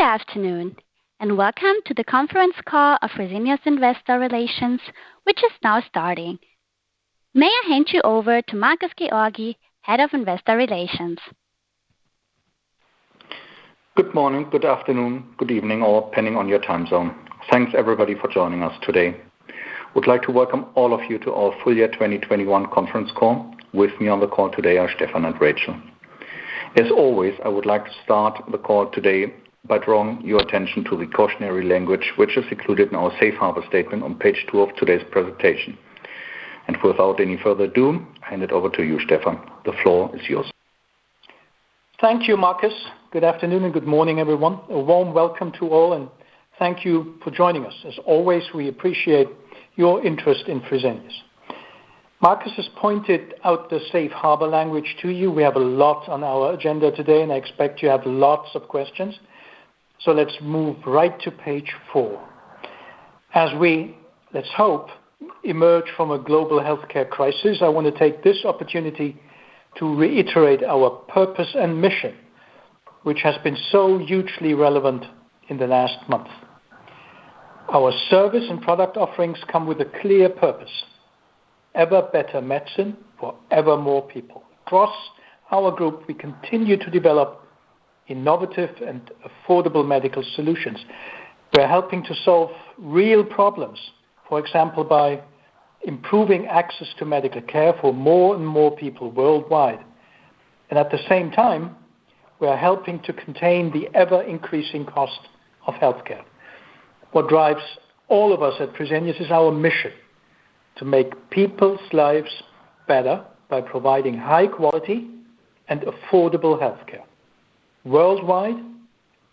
Good afternoon, and welcome to the conference call of Fresenius Investor Relations, which is now starting. May I hand you over to Markus Georgi, Head of Investor Relations. Good morning, good afternoon, good evening, all, depending on your time zone. Thanks, everybody, for joining us today. I would like to welcome all of you to our full year 2021 conference call. With me on the call today are Stephan and Rachel. As always, I would like to start the call today by drawing your attention to the cautionary language which is included in our safe harbor statement on page two of today's presentation. Without any further ado, I hand it over to you, Stephan. The floor is yours. Thank you, Markus. Good afternoon and good morning, everyone. A warm welcome to all, and thank you for joining us. As always, we appreciate your interest in Fresenius. Markus has pointed out the safe harbor language to you. We have a lot on our agenda today, and I expect you have lots of questions, so let's move right to page four. As we, let's hope, emerge from a global healthcare crisis, I wanna take this opportunity to reiterate our purpose and mission, which has been so hugely relevant in the last month. Our service and product offerings come with a clear purpose, ever better medicine for ever more people. Across our group, we continue to develop innovative and affordable medical solutions. We are helping to solve real problems, for example, by improving access to medical care for more and more people worldwide. At the same time, we are helping to contain the ever-increasing cost of healthcare. What drives all of us at Fresenius is our mission to make people's lives better by providing high quality and affordable healthcare worldwide,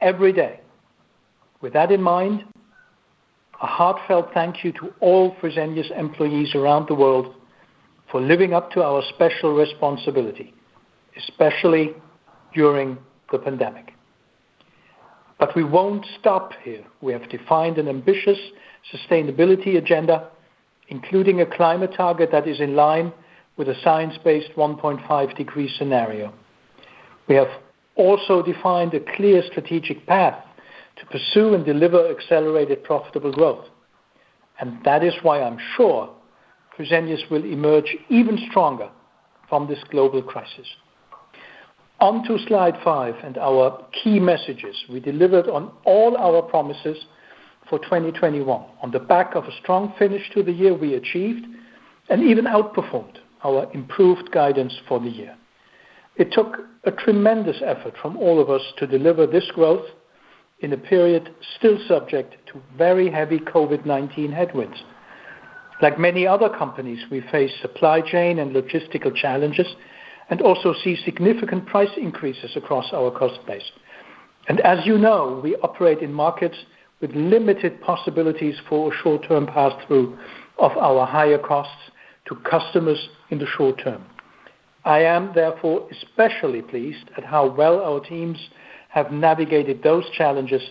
every day. With that in mind, a heartfelt thank you to all Fresenius employees around the world for living up to our special responsibility, especially during the pandemic. We won't stop here. We have defined an ambitious sustainability agenda, including a climate target that is in line with a science-based 1.5 degree scenario. We have also defined a clear strategic path to pursue and deliver accelerated profitable growth, and that is why I'm sure Fresenius will emerge even stronger from this global crisis. On to slide 5 and our key messages. We delivered on all our promises for 2021. On the back of a strong finish to the year, we achieved and even outperformed our improved guidance for the year. It took a tremendous effort from all of us to deliver this growth in a period still subject to very heavy COVID-19 headwinds. Like many other companies, we face supply chain and logistical challenges and also see significant price increases across our cost base. As you know, we operate in markets with limited possibilities for short-term passthrough of our higher costs to customers in the short term. I am therefore especially pleased at how well our teams have navigated those challenges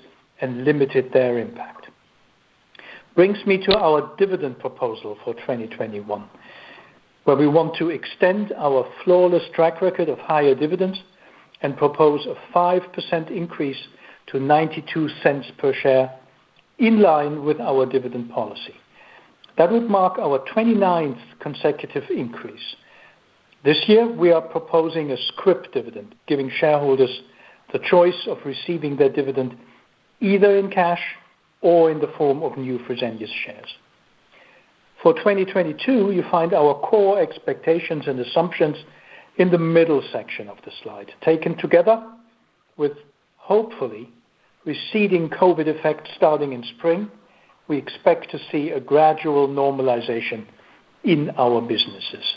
and limited their impact. Brings me to our dividend proposal for 2021, where we want to extend our flawless track record of higher dividends and propose a 5% increase to 0.92 per share, in line with our dividend policy. That would mark our 29th consecutive increase. This year, we are proposing a scrip dividend, giving shareholders the choice of receiving their dividend either in cash or in the form of new Fresenius shares. For 2022, you find our core expectations and assumptions in the middle section of the slide. Taken together with, hopefully, receding COVID effects starting in spring, we expect to see a gradual normalization in our businesses.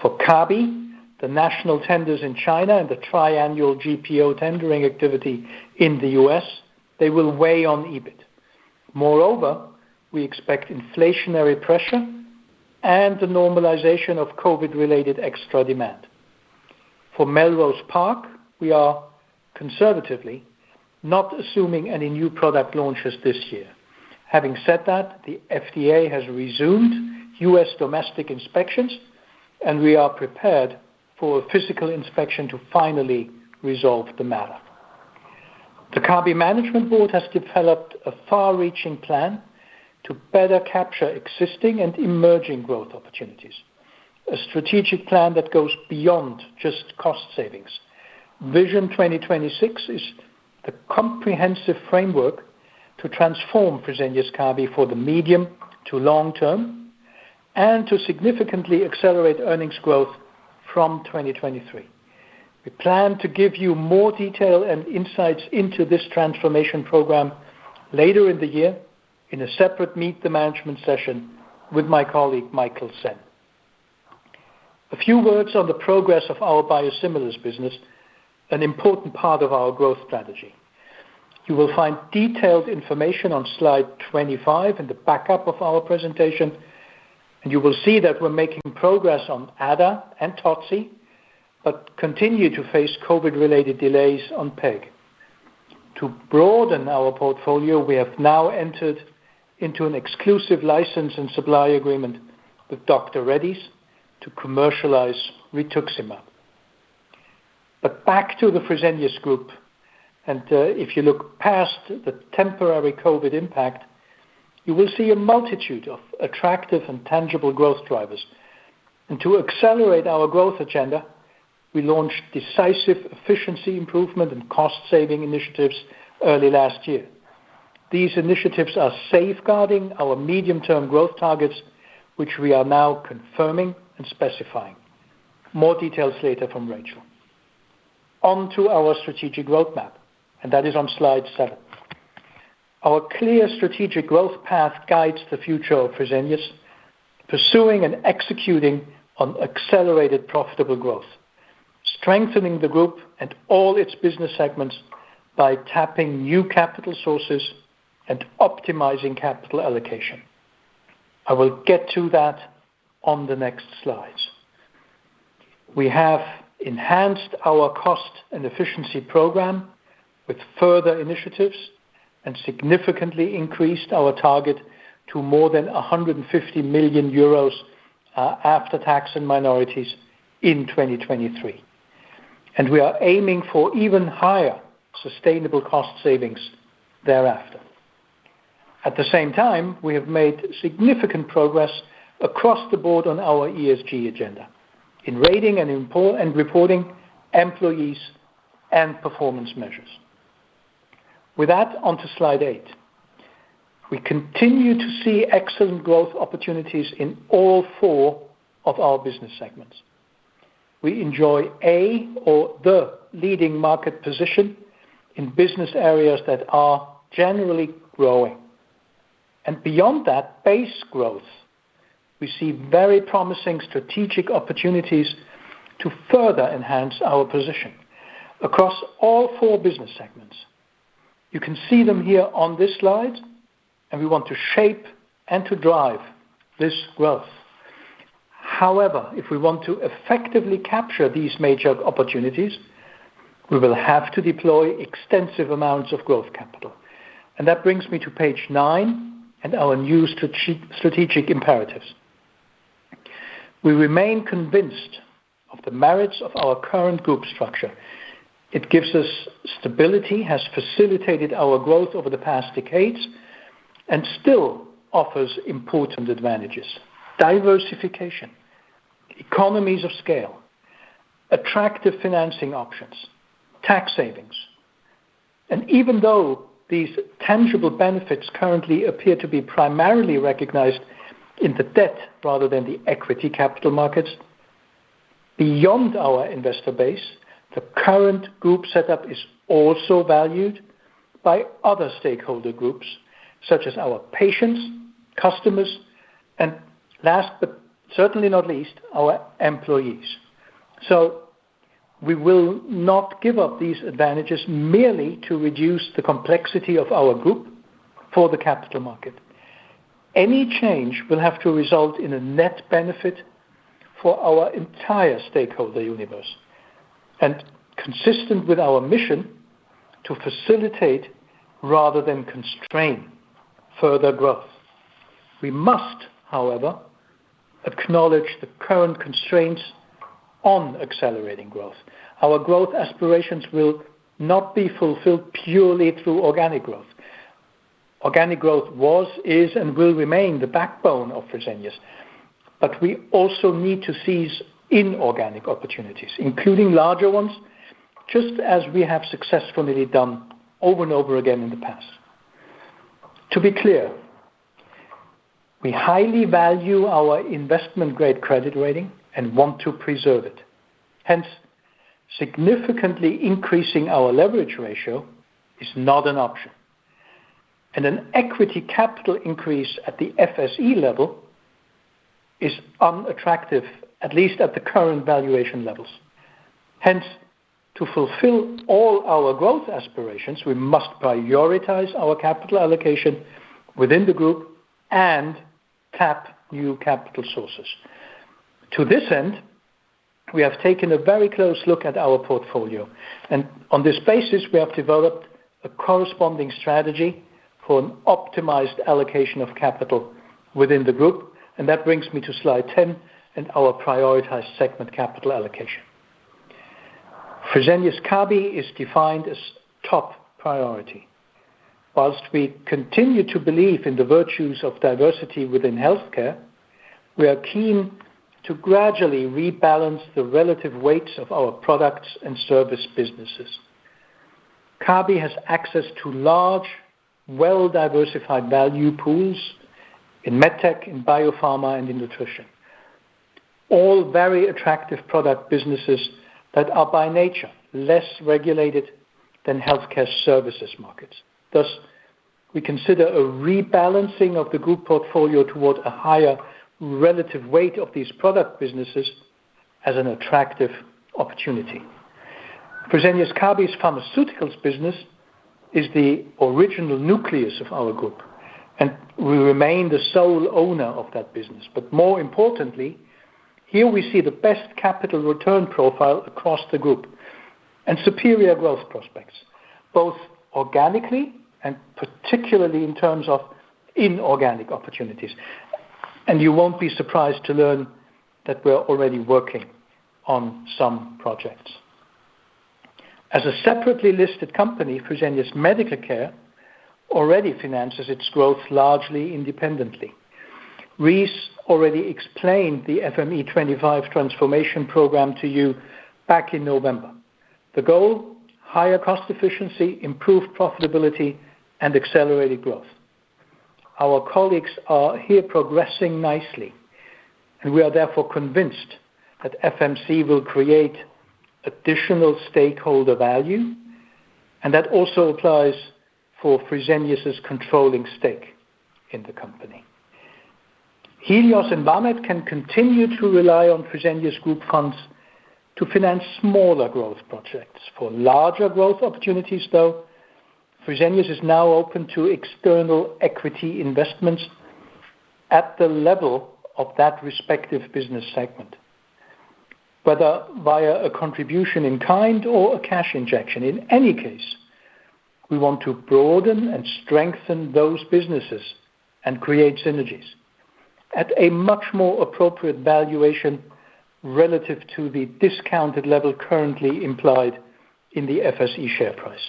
For Kabi, the national tenders in China and the triennial GPO tendering activity in the U.S., they will weigh on EBIT. Moreover, we expect inflationary pressure and the normalization of COVID-related extra demand. For Melrose Park, we are conservatively not assuming any new product launches this year. Having said that, the FDA has resumed U.S. domestic inspections, and we are prepared for a physical inspection to finally resolve the matter. The Kabi management board has developed a far-reaching plan to better capture existing and emerging growth opportunities, a strategic plan that goes beyond just cost savings. Vision 2026 is the comprehensive framework to transform Fresenius Kabi for the medium to long term and to significantly accelerate earnings growth from 2023. We plan to give you more detail and insights into this transformation program later in the year in a separate meet-the-management session with my colleague Michael Sen. A few words on the progress of our biosimilars business, an important part of our growth strategy. You will find detailed information on slide 25 in the backup of our presentation, and you will see that we're making progress on ada and toci, but continue to face COVID-related delays on peg. To broaden our portfolio, we have now entered into an exclusive license and supply agreement with Dr. Reddy's to commercialize rituximab. Back to the Fresenius group, and, if you look past the temporary COVID impact, you will see a multitude of attractive and tangible growth drivers. To accelerate our growth agenda, we launched decisive efficiency improvement and cost-saving initiatives early last year. These initiatives are safeguarding our medium-term growth targets, which we are now confirming and specifying. More details later from Rachel. On to our strategic roadmap, and that is on slide seven. Our clear strategic growth path guides the future of Fresenius, pursuing and executing on accelerated profitable growth, strengthening the group and all its business segments by tapping new capital sources and optimizing capital allocation. I will get to that on the next slides. We have enhanced our cost and efficiency program with further initiatives and significantly increased our target to more than 150 million euros, after tax and minorities in 2023. We are aiming for even higher sustainable cost savings thereafter. At the same time, we have made significant progress across the board on our ESG agenda in ratings and improvements and reporting, employees and performance measures. With that, on to slide eight. We continue to see excellent growth opportunities in all four of our business segments. We enjoy the leading market position in business areas that are generally growing. Beyond that base growth, we see very promising strategic opportunities to further enhance our position across all four business segments. You can see them here on this slide, and we want to shape and drive this growth. However, if we want to effectively capture these major opportunities, we will have to deploy extensive amounts of growth capital. That brings me to page nine and our new strategic imperatives. We remain convinced of the merits of our current group structure. It gives us stability, has facilitated our growth over the past decades, and still offers important advantages. Diversification, economies of scale, attractive financing options, tax savings. Even though these tangible benefits currently appear to be primarily recognized in the debt rather than the equity capital markets, beyond our investor base, the current group setup is also valued by other stakeholder groups such as our patients, customers, and last but certainly not least, our employees. We will not give up these advantages merely to reduce the complexity of our group for the capital market. Any change will have to result in a net benefit for our entire stakeholder universe and consistent with our mission to facilitate rather than constrain further growth. We must, however, acknowledge the current constraints on accelerating growth. Our growth aspirations will not be fulfilled purely through organic growth. Organic growth was, is, and will remain the backbone of Fresenius. We also need to seize inorganic opportunities, including larger ones, just as we have successfully done over and over again in the past. To be clear, we highly value our investment-grade credit rating and want to preserve it. Hence, significantly increasing our leverage ratio is not an option. An equity capital increase at the FSE level is unattractive, at least at the current valuation levels. Hence, to fulfill all our growth aspirations, we must prioritize our capital allocation within the group and tap new capital sources. To this end, we have taken a very close look at our portfolio, and on this basis, we have developed a corresponding strategy for an optimized allocation of capital within the group. That brings me to slide 10 and our prioritized segment capital allocation. Fresenius Kabi is defined as top priority. While we continue to believe in the virtues of diversity within healthcare, we are keen to gradually rebalance the relative weights of our products and service businesses. Kabi has access to large, well-diversified value pools in medtech, in biopharma, and in nutrition. All very attractive product businesses that are by nature less regulated than healthcare services markets. Thus, we consider a rebalancing of the group portfolio towards a higher relative weight of these product businesses as an attractive opportunity. Fresenius Kabi's pharmaceuticals business is the original nucleus of our group, and we remain the sole owner of that business. More importantly, here we see the best capital return profile across the group. Superior growth prospects, both organically and particularly in terms of inorganic opportunities. You won't be surprised to learn that we're already working on some projects. As a separately listed company, Fresenius Medical Care already finances its growth largely independently. Rice already explained the FME25 transformation program to you back in November. The goal, higher cost efficiency, improved profitability, and accelerated growth. Our colleagues are here progressing nicely, and we are therefore convinced that FMC will create additional stakeholder value, and that also applies for Fresenius's controlling stake in the company. Helios and Vamed can continue to rely on Fresenius Group funds to finance smaller growth projects. For larger growth opportunities, though, Fresenius is now open to external equity investments at the level of that respective business segment, whether via a contribution in kind or a cash injection. In any case, we want to broaden and strengthen those businesses and create synergies at a much more appropriate valuation relative to the discounted level currently implied in the FSE share price,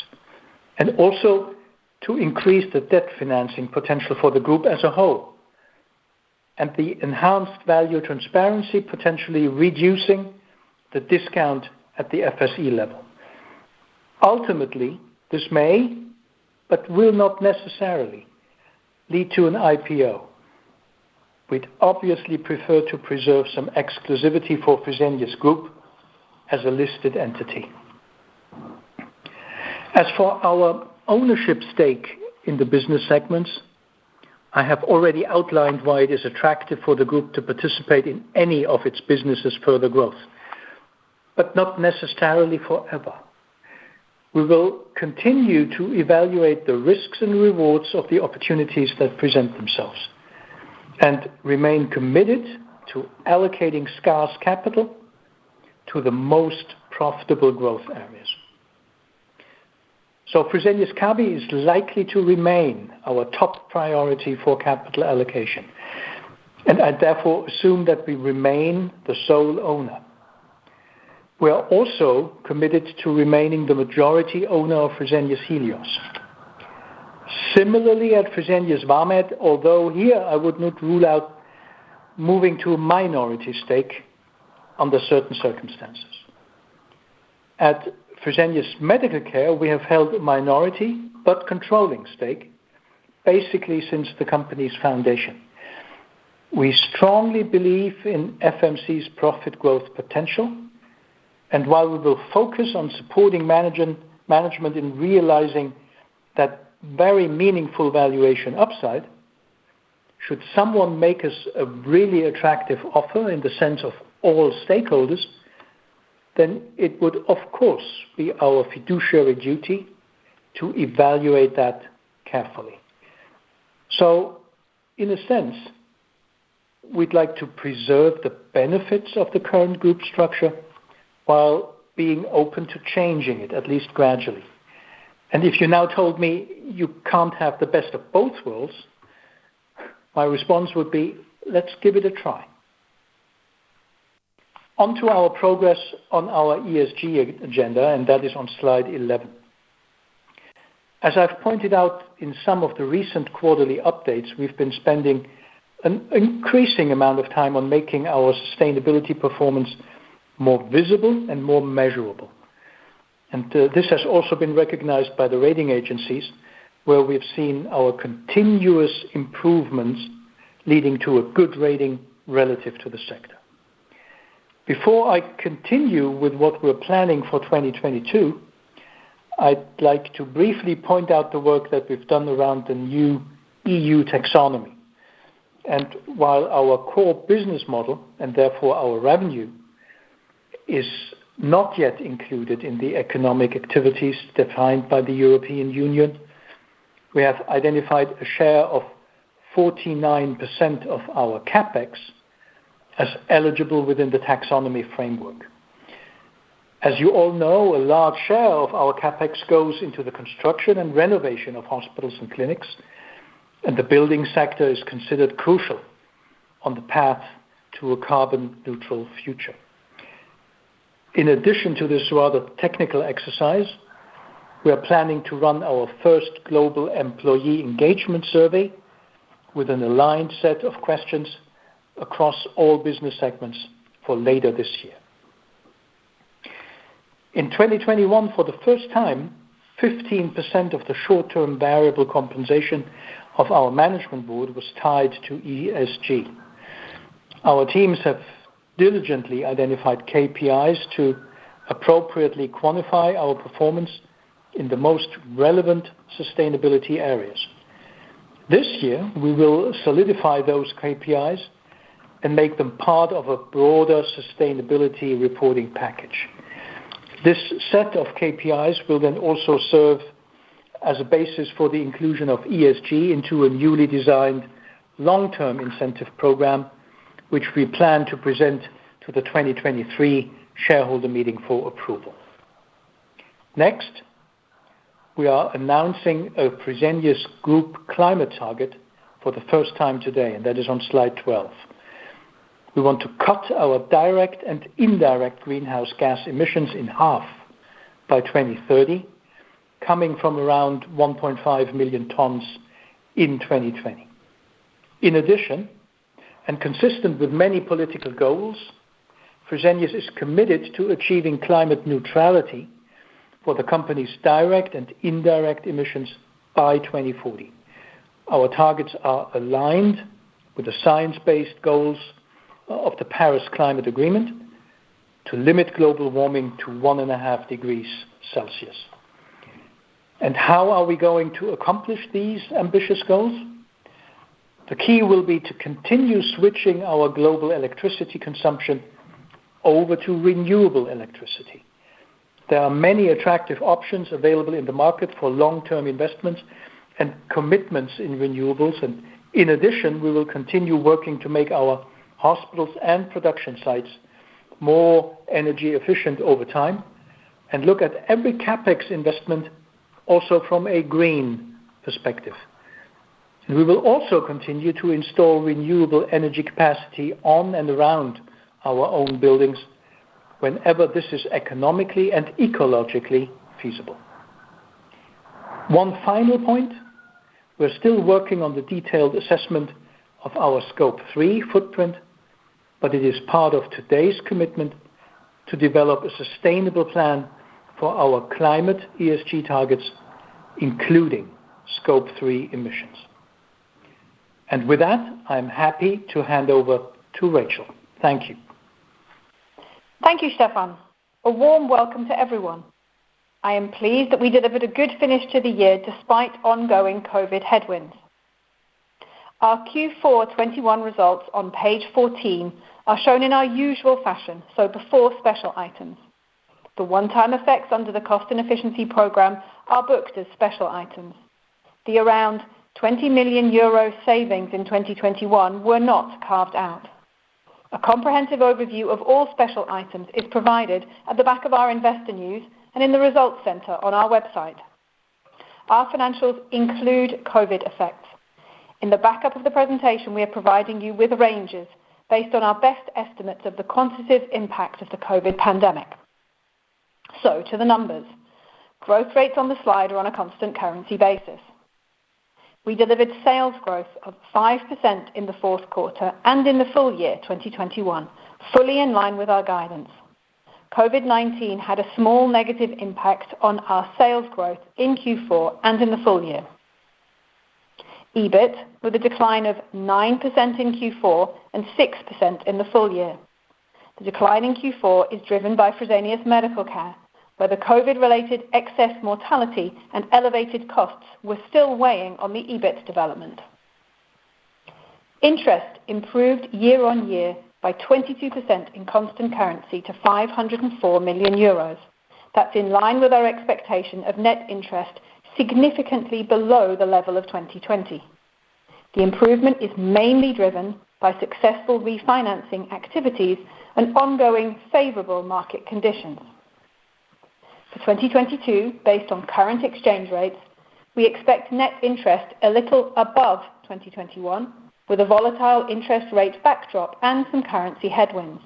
to increase the debt financing potential for the group as a whole, and the enhanced value transparency potentially reducing the discount at the FSE level. Ultimately, this may, but will not necessarily, lead to an IPO. We'd obviously prefer to preserve some exclusivity for Fresenius Group as a listed entity. As for our ownership stake in the business segments, I have already outlined why it is attractive for the group to participate in any of its businesses' further growth, but not necessarily forever. We will continue to evaluate the risks and rewards of the opportunities that present themselves and remain committed to allocating scarce capital to the most profitable growth areas. Fresenius Kabi is likely to remain our top priority for capital allocation, and I therefore assume that we remain the sole owner. We are also committed to remaining the majority owner of Fresenius Helios. Similarly at Fresenius Vamed, although here I would not rule out moving to a minority stake under certain circumstances. At Fresenius Medical Care, we have held a minority but controlling stake basically since the company's foundation. We strongly believe in FMC's profit growth potential, and while we will focus on supporting management in realizing that very meaningful valuation upside, should someone make us a really attractive offer in the sense of all stakeholders, then it would, of course, be our fiduciary duty to evaluate that carefully. In a sense, we'd like to preserve the benefits of the current group structure while being open to changing it, at least gradually. If you now told me you can't have the best of both worlds, my response would be, let's give it a try. On to our progress on our ESG agenda, and that is on slide 11. As I've pointed out in some of the recent quarterly updates, we've been spending an increasing amount of time on making our sustainability performance more visible and more measurable. This has also been recognized by the rating agencies, where we've seen our continuous improvements leading to a good rating relative to the sector. Before I continue with what we're planning for 2022, I'd like to briefly point out the work that we've done around the new EU taxonomy. While our core business model, and therefore our revenue, is not yet included in the economic activities defined by the European Union, we have identified a share of 49% of our CapEx as eligible within the taxonomy framework. As you all know, a large share of our CapEx goes into the construction and renovation of hospitals and clinics, and the building sector is considered crucial on the path to a carbon neutral future. In addition to this rather technical exercise, we are planning to run our first global employee engagement survey with an aligned set of questions across all business segments for later this year. In 2021, for the first time, 15% of the short-term variable compensation of our management board was tied to ESG. Our teams have diligently identified KPIs to appropriately quantify our performance in the most relevant sustainability areas. This year, we will solidify those KPIs and make them part of a broader sustainability reporting package. This set of KPIs will then also serve as a basis for the inclusion of ESG into a newly designed long-term incentive program, which we plan to present to the 2023 shareholder meeting for approval. Next, we are announcing a Fresenius Group climate target for the first time today, and that is on slide 12. We want to cut our direct and indirect greenhouse gas emissions in half by 2030, coming from around 1.5 million tons in 2020. In addition, and consistent with many political goals, Fresenius is committed to achieving climate neutrality for the company's direct and indirect emissions by 2040. Our targets are aligned with the science-based goals of the Paris Climate Agreement to limit global warming to 1.5 degrees Celsius. How are we going to accomplish these ambitious goals? The key will be to continue switching our global electricity consumption over to renewable electricity. There are many attractive options available in the market for long-term investments and commitments in renewables. In addition, we will continue working to make our hospitals and production sites more energy efficient over time and look at every CapEx investment also from a green perspective. We will also continue to install renewable energy capacity on and around our own buildings whenever this is economically and ecologically feasible. One final point. We're still working on the detailed assessment of our Scope 3 footprint, but it is part of today's commitment to develop a sustainable plan for our climate ESG targets, including Scope 3 emissions. With that, I'm happy to hand over to Rachel. Thank you. Thank you, Stephan. A warm welcome to everyone. I am pleased that we delivered a good finish to the year despite ongoing COVID headwinds. Our Q4 2021 results on page 14 are shown in our usual fashion, so before special items. The one-time effects under the cost and efficiency program are booked as special items. The around 20 million euro savings in 2021 were not carved out. A comprehensive overview of all special items is provided at the back of our investor news and in the results center on our website. Our financials include COVID effects. In the backup of the presentation, we are providing you with ranges based on our best estimates of the quantitative impact of the COVID pandemic. To the numbers. Growth rates on the slide are on a constant currency basis. We delivered sales growth of 5% in the Q4 and in the full year 2021, fully in line with our guidance. COVID-19 had a small negative impact on our sales growth in Q4 and in the full year. EBIT, with a decline of 9% in Q4 and 6% in the full year. The decline in Q4 is driven by Fresenius Medical Care, where the COVID-related excess mortality and elevated costs were still weighing on the EBIT development. Interest improved year-on-year by 22% in constant currency to 504 million euros. That's in line with our expectation of net interest significantly below the level of 2020. The improvement is mainly driven by successful refinancing activities and ongoing favorable market conditions. For 2022, based on current exchange rates, we expect net interest a little above 2021, with a volatile interest rate backdrop and some currency headwinds.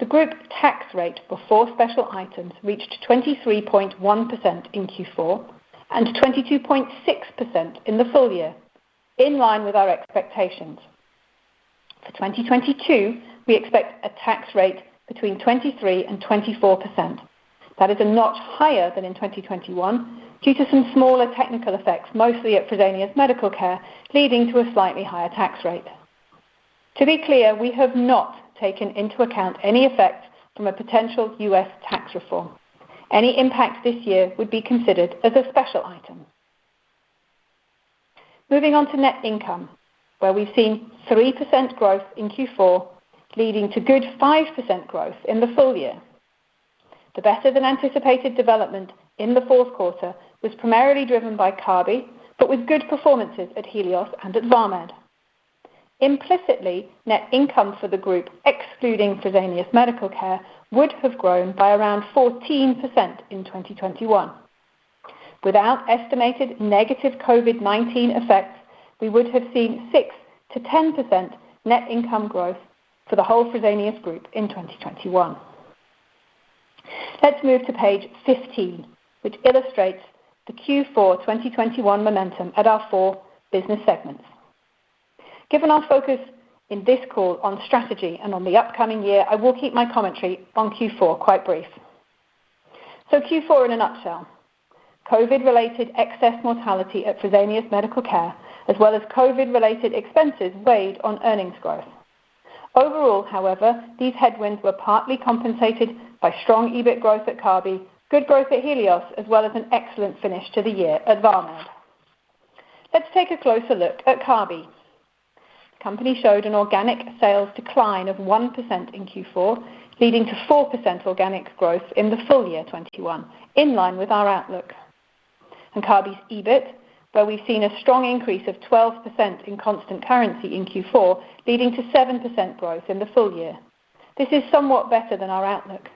The group tax rate before special items reached 23.1% in Q4 and 22.6% in the full year, in line with our expectations. For 2022, we expect a tax rate between 23% and 24%. That is a notch higher than in 2021 due to some smaller technical effects, mostly at Fresenius Medical Care, leading to a slightly higher tax rate. To be clear, we have not taken into account any effect from a potential U.S. tax reform. Any impact this year would be considered as a special item. Moving on to net income, where we've seen 3% growth in Q4, leading to good 5% growth in the full year. The better-than-anticipated development in the Q4 was primarily driven by Kabi, but with good performances at Helios and at Vamed. Implicitly, net income for the group, excluding Fresenius Medical Care, would have grown by around 14% in 2021. Without estimated negative COVID-19 effects, we would have seen 6%-10% net income growth for the whole Fresenius group in 2021. Let's move to page 15, which illustrates the Q4 2021 momentum at our four business segments. Given our focus in this call on strategy and on the upcoming year, I will keep my commentary on Q4 quite brief. Q4 in a nutshell. COVID-related excess mortality at Fresenius Medical Care, as well as COVID-related expenses, weighed on earnings growth. Overall, however, these headwinds were partly compensated by strong EBIT growth at Kabi, good growth at Helios, as well as an excellent finish to the year at Vamed. Let's take a closer look at Kabi. The company showed an organic sales decline of 1% in Q4, leading to 4% organic growth in the full year 2021, in line with our outlook. In Kabi's EBIT, where we've seen a strong increase of 12% in constant currency in Q4, leading to 7% growth in the full year. This is somewhat better than our outlook.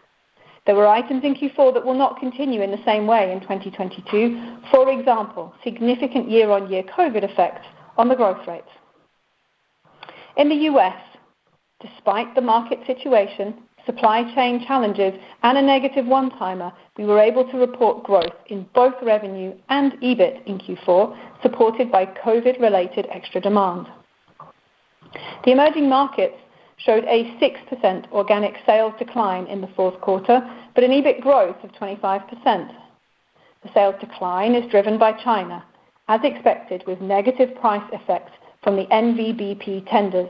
There were items in Q4 that will not continue in the same way in 2022. For example, significant year-on-year COVID effects on the growth rates. In the U.S., despite the market situation, supply chain challenges, and a negative one-timer, we were able to report growth in both revenue and EBIT in Q4, supported by COVID-related extra demand. The emerging markets showed a 6% organic sales decline in the Q4, but an EBIT growth of 25%. The sales decline is driven by China, as expected with negative price effects from the NVBP tenders.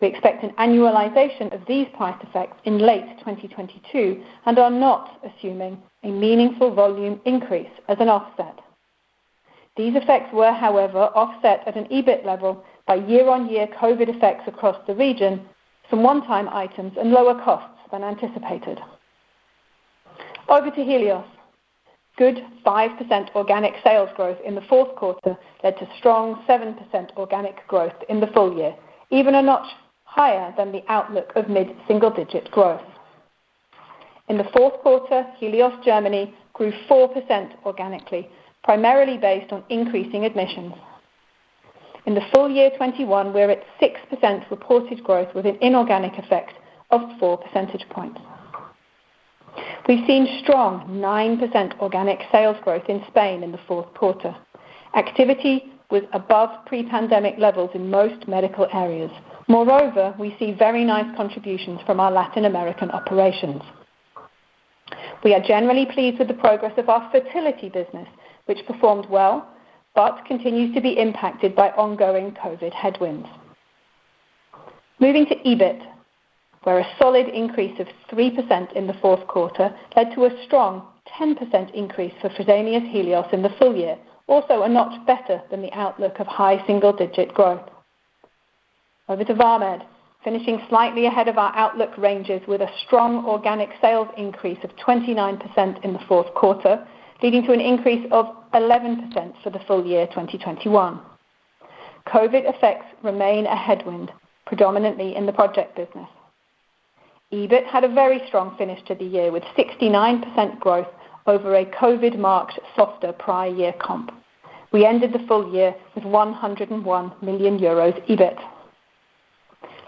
We expect an annualization of these price effects in late 2022 and are not assuming a meaningful volume increase as an offset. These effects were, however, offset at an EBIT level by year-on-year COVID effects across the region from one-time items and lower costs than anticipated. Over to Helios. Good 5% organic sales growth in the Q4 led to strong 7% organic growth in the full year, even a notch higher than the outlook of mid-single-digit growth. In the Q4, Helios Germany grew 4% organically, primarily based on increasing admissions. In the full year 2021, we're at 6% reported growth with an inorganic effect of 4 percentage points. We've seen strong 9% organic sales growth in Spain in the Q4. Activity was above pre-pandemic levels in most medical areas. Moreover, we see very nice contributions from our Latin American operations. We are generally pleased with the progress of our fertility business, which performed well, but continues to be impacted by ongoing COVID headwinds. Moving to EBIT, where a solid increase of 3% in the Q4 led to a strong 10% increase for Fresenius Helios in the full year, also a notch better than the outlook of high single digit growth. Over to Vamed, finishing slightly ahead of our outlook ranges with a strong organic sales increase of 29% in the Q4, leading to an increase of 11% for the full year 2021. COVID effects remain a headwind, predominantly in the project business. EBIT had a very strong finish to the year with 69% growth over a COVID marked softer prior year comp. We ended the full year with 101 million euros EBIT.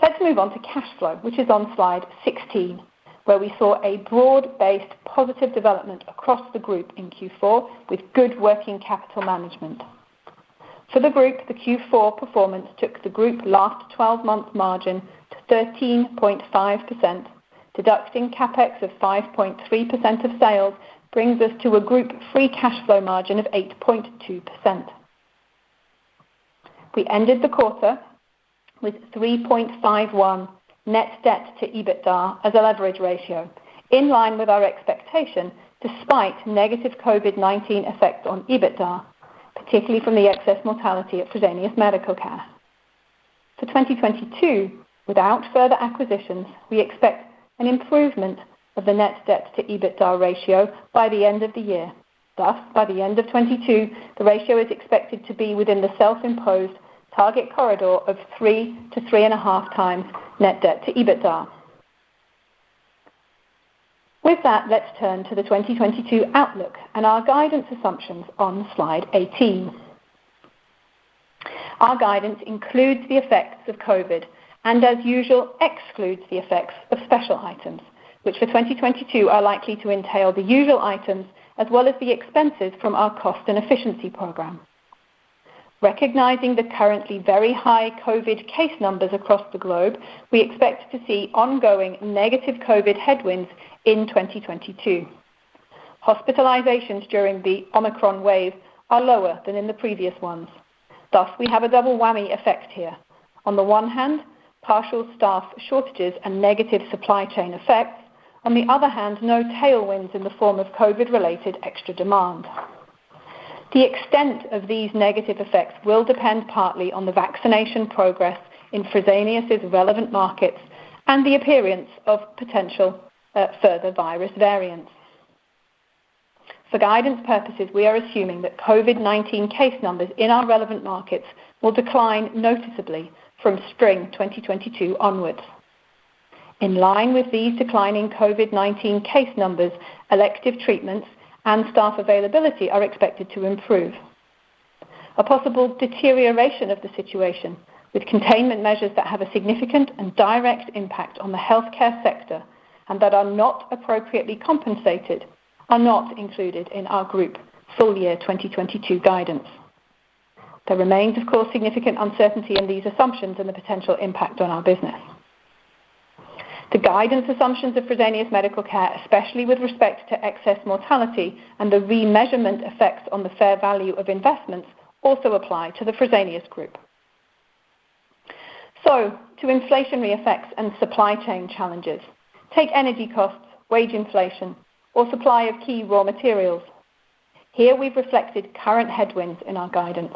Let's move on to cash flow, which is on slide 16, where we saw a broad-based positive development across the group in Q4 with good working capital management. For the group, the Q4 performance took the group last 12 month margin to 13.5%. Deducting CapEx of 5.3% of sales brings us to a group free cash flow margin of 8.2%. We ended the quarter with 3.51 net debt to EBITDA as a leverage ratio, in line with our expectation despite negative COVID-19 effects on EBITDA, particularly from the excess mortality of Fresenius Medical Care. For 2022, without further acquisitions, we expect an improvement of the net debt to EBITDA ratio by the end of the year. Thus, by the end of 2022, the ratio is expected to be within the self-imposed target corridor of 3x-3.5x net debt to EBITDA. With that, let's turn to the 2022 outlook and our guidance assumptions on slide 18. Our guidance includes the effects of COVID and, as usual, excludes the effects of special items, which for 2022 are likely to entail the usual items as well as the expenses from our cost and efficiency program. Recognizing the currently very high COVID case numbers across the globe, we expect to see ongoing negative COVID headwinds in 2022. Hospitalizations during the Omicron wave are lower than in the previous ones. Thus, we have a double whammy effect here, on the one hand partial staff shortages and negative supply chain effects, on the other hand no tailwinds in the form of COVID related extra demand. The extent of these negative effects will depend partly on the vaccination progress in Fresenius' relevant markets and the appearance of potential further virus variants. For guidance purposes, we are assuming that COVID-19 case numbers in our relevant markets will decline noticeably from spring 2022 onwards. In line with these declining COVID-19 case numbers, elective treatments and staff availability are expected to improve. A possible deterioration of the situation with containment measures that have a significant and direct impact on the healthcare sector and that are not appropriately compensated are not included in our group full year 2022 guidance. There remains, of course, significant uncertainty in these assumptions and the potential impact on our business. The guidance assumptions of Fresenius Medical Care, especially with respect to excess mortality and the remeasurement effects on the fair value of investments, also apply to the Fresenius Group. To inflationary effects and supply chain challenges. Take energy costs, wage inflation, or supply of key raw materials. Here we've reflected current headwinds in our guidance.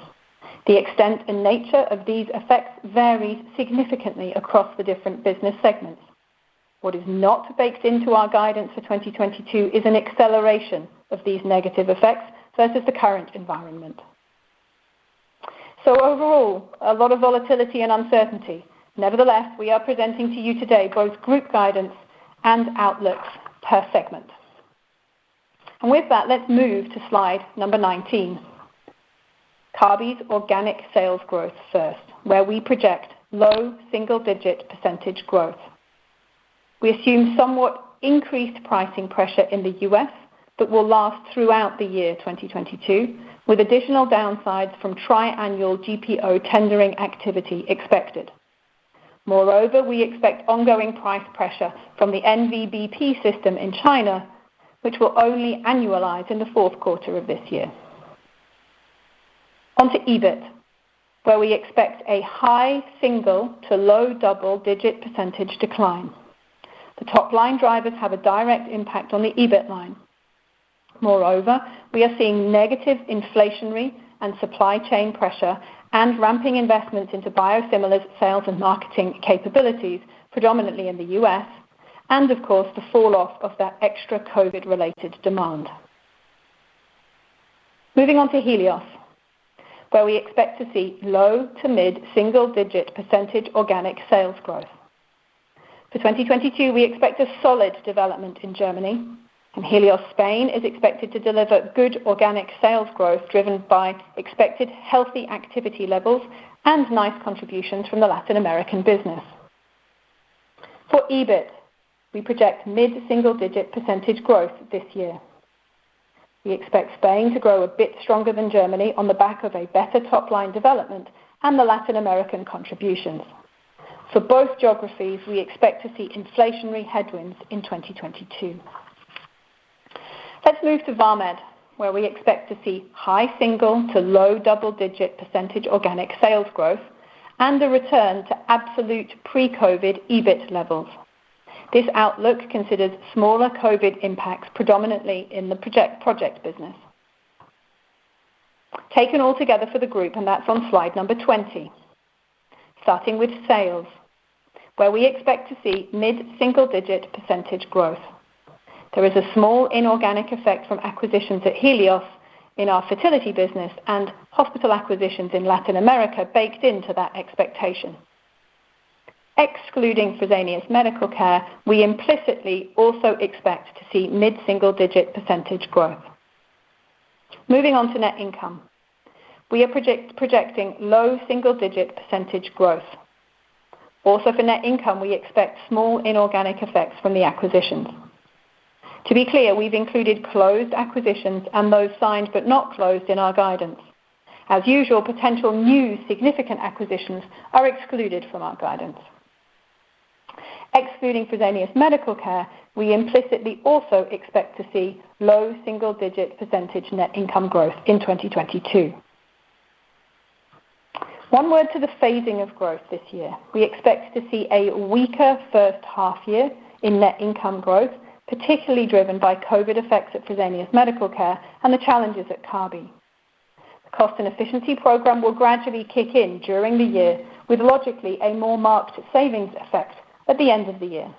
The extent and nature of these effects varies significantly across the different business segments. What is not baked into our guidance for 2022 is an acceleration of these negative effects versus the current environment. Overall, a lot of volatility and uncertainty. Nevertheless, we are presenting to you today both group guidance and outlooks per segment. With that, let's move to slide 19. Kabi's organic sales growth first, where we project low single-digit percent growth. We assume somewhat increased pricing pressure in the U.S. that will last throughout the year 2022, with additional downsides from tri-annual GPO tendering activity expected. Moreover, we expect ongoing price pressure from the NVBP system in China, which will only annualize in the Q4 of this year. Onto EBIT, where we expect a high single-to low double-digit % decline. The top-line drivers have a direct impact on the EBIT line. Moreover, we are seeing negative inflationary and supply chain pressure and ramping investments into biosimilars sales and marketing capabilities, predominantly in the U.S. and of course, the falloff of that extra COVID-related demand. Moving on to Helios, where we expect to see low- to mid-single-digit percentage organic sales growth. For 2022, we expect a solid development in Germany, and Helios Spain is expected to deliver good organic sales growth driven by expected healthy activity levels and nice contributions from the Latin American business. For EBIT, we project mid-single-digit percentage growth this year. We expect Spain to grow a bit stronger than Germany on the back of a better top-line development and the Latin American contributions. For both geographies, we expect to see inflationary headwinds in 2022. Let's move to Vamed, where we expect to see high single-digit to low double-digit percentage organic sales growth and a return to absolute pre-COVID EBIT levels. This outlook considers smaller COVID impacts, predominantly in the project business. Taken all together for the group, and that's on slide 20. Starting with sales, where we expect to see mid-single-digit percentage growth. There is a small inorganic effect from acquisitions at Helios in our fertility business and hospital acquisitions in Latin America baked into that expectation. Excluding Fresenius Medical Care, we implicitly also expect to see mid-single-digit percentage growth. Moving on to net income. We are projecting low single-digit percentage growth. Also for net income, we expect small inorganic effects from the acquisitions. To be clear, we've included closed acquisitions and those signed but not closed in our guidance. As usual, potential new significant acquisitions are excluded from our guidance. Excluding Fresenius Medical Care, we implicitly also expect to see low single-digit percentage net income growth in 2022. One word to the phasing of growth this year. We expect to see a weaker first half year in net income growth, particularly driven by COVID effects at Fresenius Medical Care and the challenges at Kabi. Cost and efficiency program will gradually kick in during the year, with logically a more marked savings effect at the end of the year.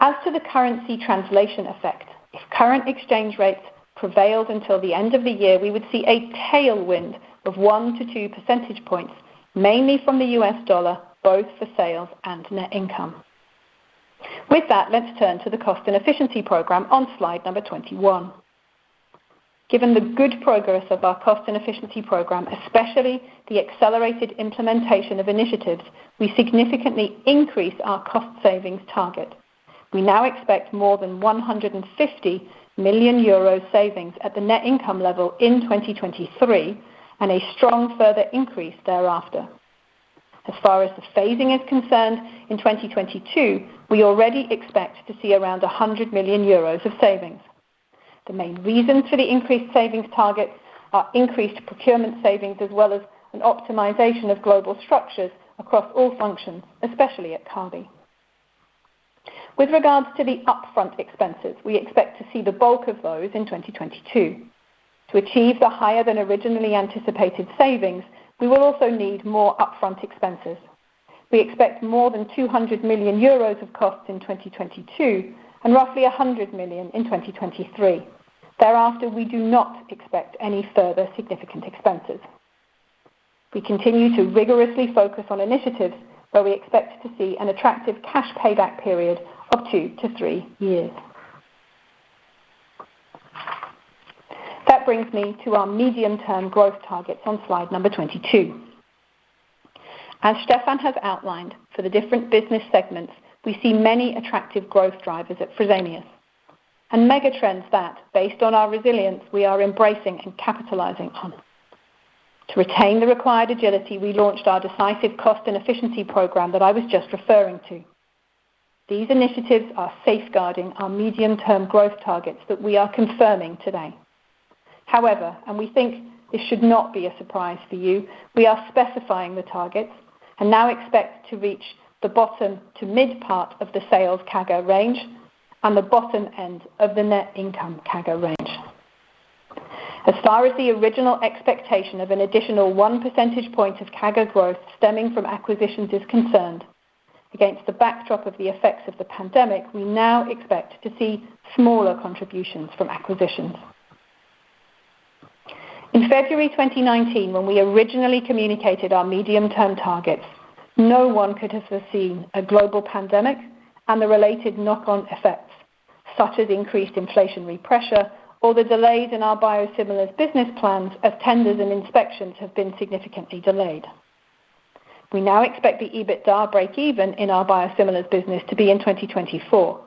As to the currency translation effect, if current exchange rates prevailed until the end of the year, we would see a tailwind of 1 percentage point-2 percentage points, mainly from the US dollar, both for sales and net income. With that, let's turn to the cost and efficiency program on slide number 21. Given the good progress of our cost and efficiency program, especially the accelerated implementation of initiatives, we significantly increase our cost savings target. We now expect more than 150 million euro savings at the net income level in 2023 and a strong further increase thereafter. As far as the phasing is concerned, in 2022, we already expect to see around 100 million euros of savings. The main reason for the increased savings targets are increased procurement savings, as well as an optimization of global structures across all functions, especially at Kabi. With regards to the upfront expenses, we expect to see the bulk of those in 2022. To achieve the higher than originally anticipated savings, we will also need more upfront expenses. We expect more than 200 million euros of costs in 2022 and roughly 100 million in 2023. Thereafter, we do not expect any further significant expenses. We continue to rigorously focus on initiatives where we expect to see an attractive cash payback period of two years to three years. That brings me to our medium-term growth targets on slide number 22. As Stephan has outlined, for the different business segments, we see many attractive growth drivers at Fresenius and megatrends that, based on our resilience, we are embracing and capitalizing on. To retain the required agility, we launched our decisive cost and efficiency program that I was just referring to. These initiatives are safeguarding our medium term growth targets that we are confirming today. However, we think this should not be a surprise for you, we are specifying the targets and now expect to reach the bottom to mid part of the sales CAGR range and the bottom end of the net income CAGR range. As far as the original expectation of an additional 1 percentage point of CAGR growth stemming from acquisitions is concerned, against the backdrop of the effects of the pandemic, we now expect to see smaller contributions from acquisitions. In February 2019, when we originally communicated our medium-term targets, no one could have foreseen a global pandemic and the related knock-on effects, such as increased inflationary pressure or the delays in our biosimilars business plans as tenders and inspections have been significantly delayed. We now expect the EBITDA break even in our biosimilars business to be in 2024.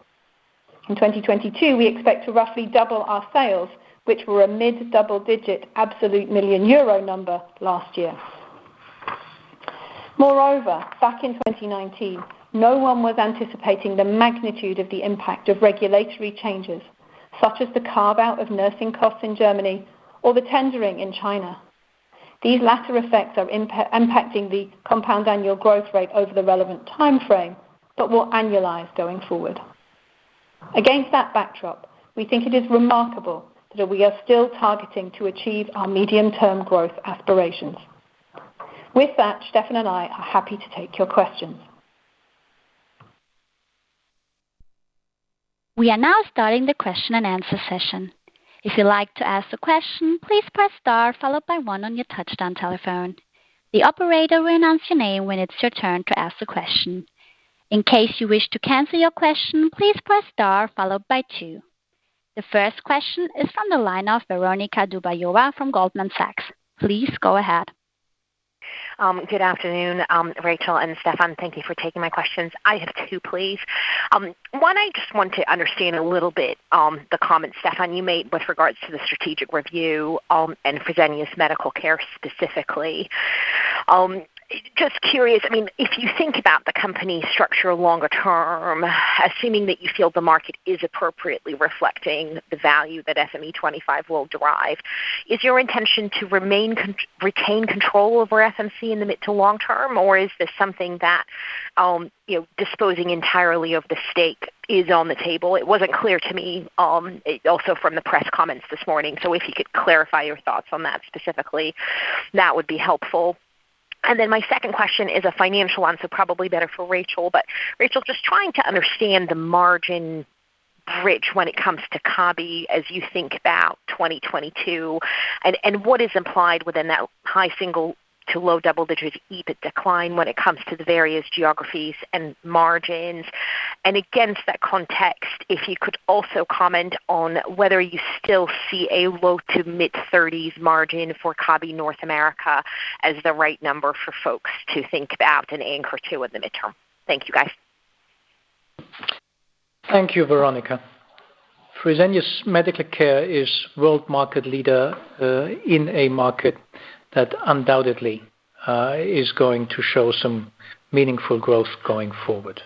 In 2022, we expect to roughly double our sales, which were a mid-double digit absolute million euro number last year. Moreover, back in 2019, no one was anticipating the magnitude of the impact of regulatory changes, such as the carve-out of nursing costs in Germany or the tendering in China. These latter effects are impacting the compound annual growth rate over the relevant time frame, but will annualize going forward. Against that backdrop, we think it is remarkable that we are still targeting to achieve our medium-term growth aspirations. With that, Stephan and I are happy to take your questions. We are now starting the question and answer session. If you'd like to ask a question, please press star followed by one on your touch-tone telephone. The operator will announce your name when it's your turn to ask the question. In case you wish to cancel your question, please press star followed by two. The first question is from the line of Veronika Dubajova from Goldman Sachs. Please go ahead. Good afternoon, Rachel and Stephan. Thank you for taking my questions. I have two, please. One, I just want to understand a little bit the comment, Stephan, you made with regards to the strategic review and Fresenius Medical Care specifically. Just curious, I mean, if you think about the company structure longer term, assuming that you feel the market is appropriately reflecting the value that FME25 will derive, is your intention to retain control over FMC in the mid- to long-term? Or is this something that, you know, disposing entirely of the stake is on the table? It wasn't clear to me, also from the press comments this morning. If you could clarify your thoughts on that specifically, that would be helpful. My second question is a financial one, so probably better for Rachel. Rachel, just trying to understand the margin bridge when it comes to Kabi as you think about 2022 and what is implied within that high single-digit to low double-digit EBIT decline when it comes to the various geographies and margins. Against that context, if you could also comment on whether you still see a low- to mid-30s% margin for Kabi North America as the right number for folks to think about and anchor to in the mid-term. Thank you, guys. Thank you, Veronika. Fresenius Medical Care is world market leader in a market that undoubtedly is going to show some meaningful growth going forward.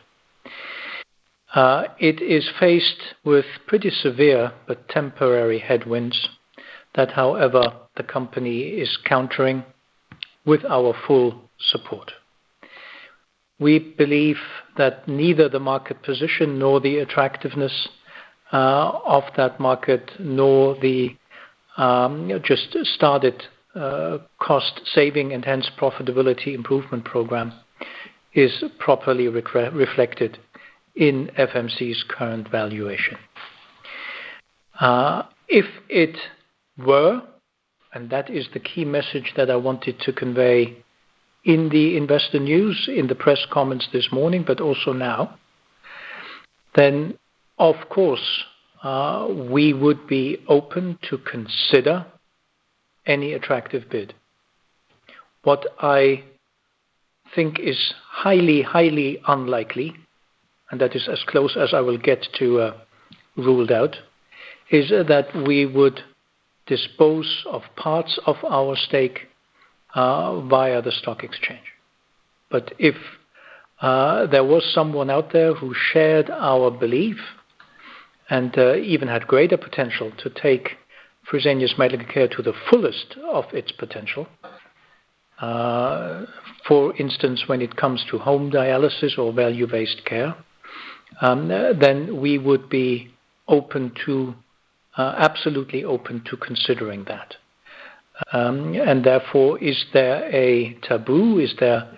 It is faced with pretty severe but temporary headwinds that however, the company is countering with our full support. We believe that neither the market position nor the attractiveness of that market, nor the just started cost saving enhanced profitability improvement program is properly reflected in FMC's current valuation. If it were, and that is the key message that I wanted to convey in the investor news, in the press comments this morning, but also now, then of course, we would be open to consider any attractive bid. What I think is highly unlikely, and that is as close as I will get to ruled out, is that we would dispose of parts of our stake via the stock exchange. If there was someone out there who shared our belief and even had greater potential to take Fresenius Medical Care to the fullest of its potential, for instance, when it comes to home dialysis or value-based care, then we would be open to absolutely open to considering that. Therefore, is there a taboo? Is there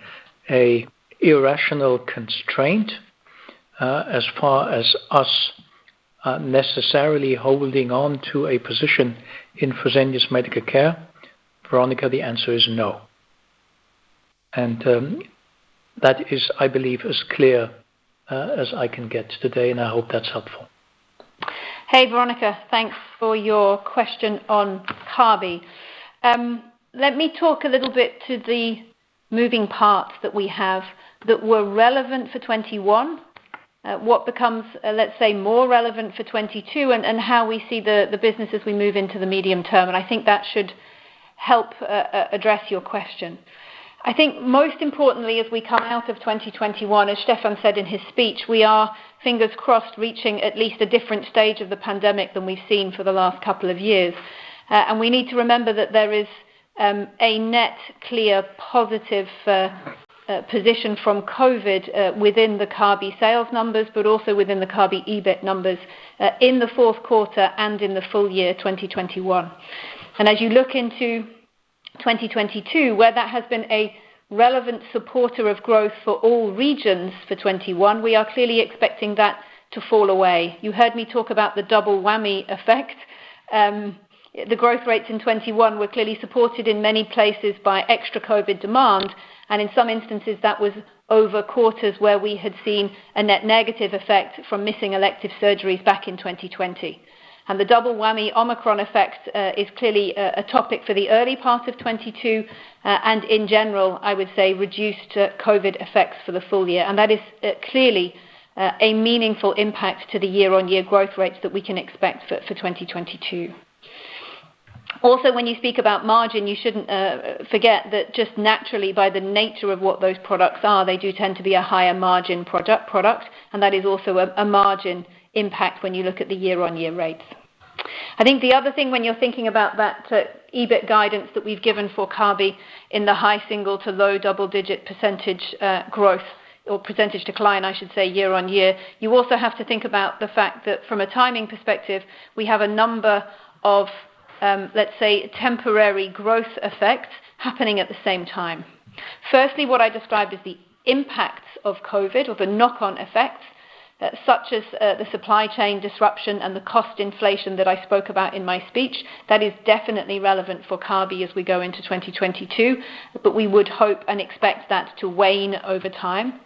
a irrational constraint as far as us necessarily holding on to a position in Fresenius Medical Care? Veronika, the answer is no. That is, I believe, as clear as I can get today, and I hope that's helpful. Hey, Veronika. Thanks for your question on Kabi. Let me talk a little bit to the moving parts that we have that were relevant for 2021, what becomes, let's say, more relevant for 2022 and how we see the business as we move into the medium term. I think that should help address your question. I think most importantly, as we come out of 2021, as Stephan said in his speech, we are fingers crossed, reaching at least a different stage of the pandemic than we've seen for the last couple of years. We need to remember that there is a net clear positive position from COVID within the Kabi sales numbers, but also within the Kabi EBIT numbers, in the Q4 and in the full year 2021. As you look into 2022, where that has been a relevant supporter of growth for all regions for 2021, we are clearly expecting that to fall away. You heard me talk about the double whammy effect. The growth rates in 2021 were clearly supported in many places by extra COVID demand, and in some instances that was over quarters where we had seen a net negative effect from missing elective surgeries back in 2020. The double whammy Omicron effect is clearly a topic for the early part of 2022, and in general, I would say reduced COVID effects for the full year. That is clearly a meaningful impact to the year-on-year growth rates that we can expect for 2022. Also, when you speak about margin, you shouldn't forget that just naturally by the nature of what those products are, they do tend to be a higher margin product, and that is also a margin impact when you look at the year-on-year rates. I think the other thing when you're thinking about that, EBIT guidance that we've given for Kabi in the high single-digit to low double-digit percentage growth or percentage decline, I should say year-on-year, you also have to think about the fact that from a timing perspective, we have a number of, let's say, temporary growth effects happening at the same time. Firstly, what I described is the impacts of COVID or the knock-on effects, such as, the supply chain disruption and the cost inflation that I spoke about in my speech. That is definitely relevant for Kabi as we go into 2022, but we would hope and expect that to wane over time.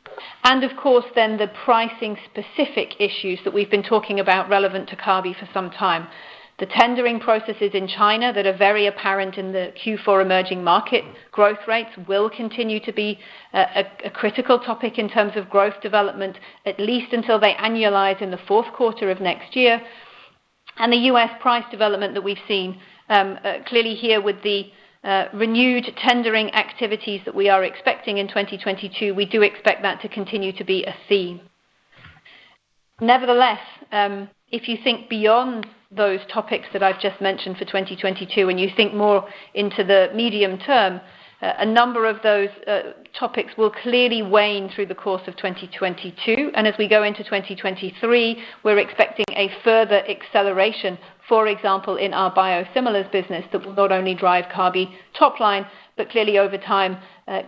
Of course, then the pricing specific issues that we've been talking about relevant to Kabi for some time. The tendering processes in China that are very apparent in the Q4 emerging market growth rates will continue to be a critical topic in terms of growth development, at least until they annualize in the Q4 of next year. The U.S. price development that we've seen clearly here with the renewed tendering activities that we are expecting in 2022, we do expect that to continue to be a theme. Nevertheless, if you think beyond those topics that I've just mentioned for 2022, when you think more into the medium term, a number of those topics will clearly wane through the course of 2022. As we go into 2023, we're expecting a further acceleration, for example, in our biosimilars business that will not only drive Kabi top line, but clearly over time,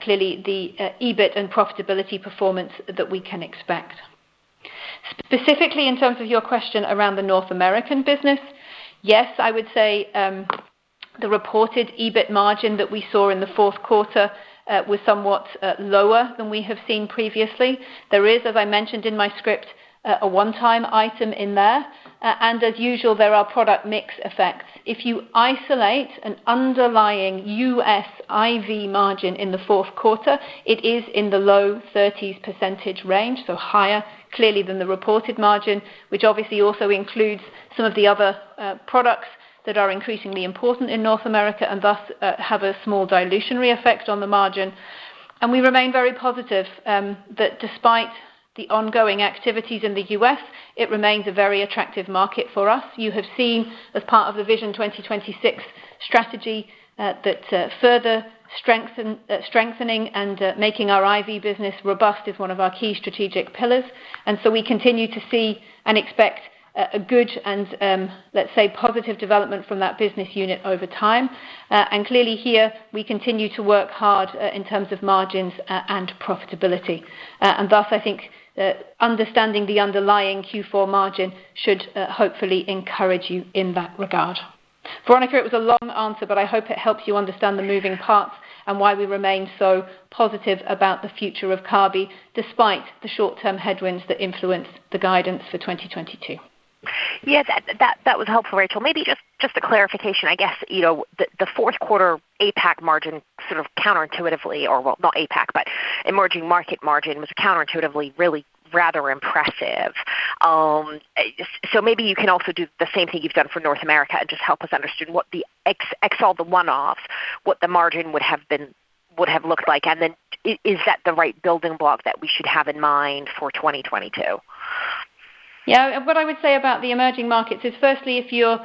clearly the EBIT and profitability performance that we can expect. Specifically, in terms of your question around the North American business, yes, I would say, the reported EBIT margin that we saw in the Q4 was somewhat lower than we have seen previously. There is, as I mentioned in my script, a one-time item in there. As usual, there are product mix effects. If you isolate an underlying U.S. IV margin in the Q4, it is in the low 30s% range, so higher clearly than the reported margin, which obviously also includes some of the other products that are increasingly important in North America and thus have a small dilutionary effect on the margin. We remain very positive that despite the ongoing activities in the U.S., it remains a very attractive market for us. You have seen as part of the Vision 2026 strategy that further strengthening and making our IV business robust is one of our key strategic pillars. We continue to see and expect a good and, let's say, positive development from that business unit over time. Clearly here, we continue to work hard in terms of margins and profitability. Thus, I think understanding the underlying Q4 margin should hopefully encourage you in that regard. Veronika, it was a long answer, but I hope it helps you understand the moving parts and why we remain so positive about the future of Kabi despite the short-term headwinds that influence the guidance for 2022. Yeah, that was helpful, Rachel. Maybe just a clarification, I guess. You know, the Q4 APAC margin sort of counterintuitively or, well, not APAC, but emerging market margin was counterintuitively really rather impressive. So maybe you can also do the same thing you've done for North America and just help us understand what the ex all the one-offs, what the margin would have been, would have looked like. Is that the right building block that we should have in mind for 2022? Yeah. What I would say about the emerging markets is firstly, if you're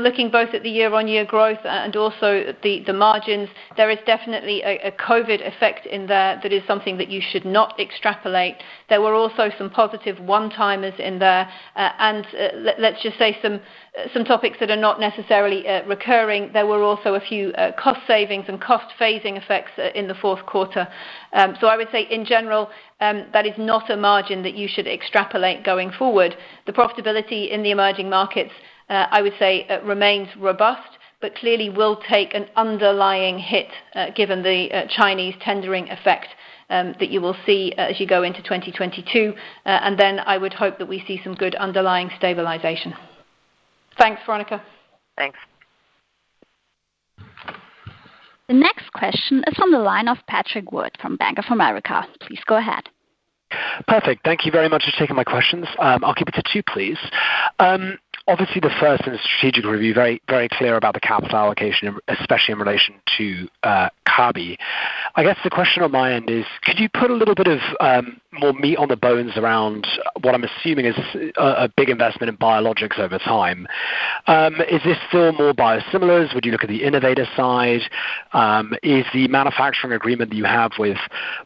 looking both at the year-on-year growth and also the margins, there is definitely a COVID effect in there that is something that you should not extrapolate. There were also some positive one-timers in there. Let's just say some topics that are not necessarily recurring. There were also a few cost savings and cost phasing effects in the Q4. So I would say in general, that is not a margin that you should extrapolate going forward. The profitability in the emerging markets I would say remains robust, but clearly will take an underlying hit given the Chinese tendering effect that you will see as you go into 2022. I would hope that we see some good underlying stabilization. Thanks, Veronika. Thanks. The next question is from the line of Patrick Wood from Bank of America. Please go ahead. Perfect. Thank you very much for taking my questions. I'll keep it to two, please. Obviously, the first in the strategic review, very, very clear about the capital allocation, especially in relation to Kabi. I guess the question on my end is could you put a little bit of more meat on the bones around what I'm assuming is a big investment in biologics over time? Is this still more biosimilars? Would you look at the innovator side? Is the manufacturing agreement that you have with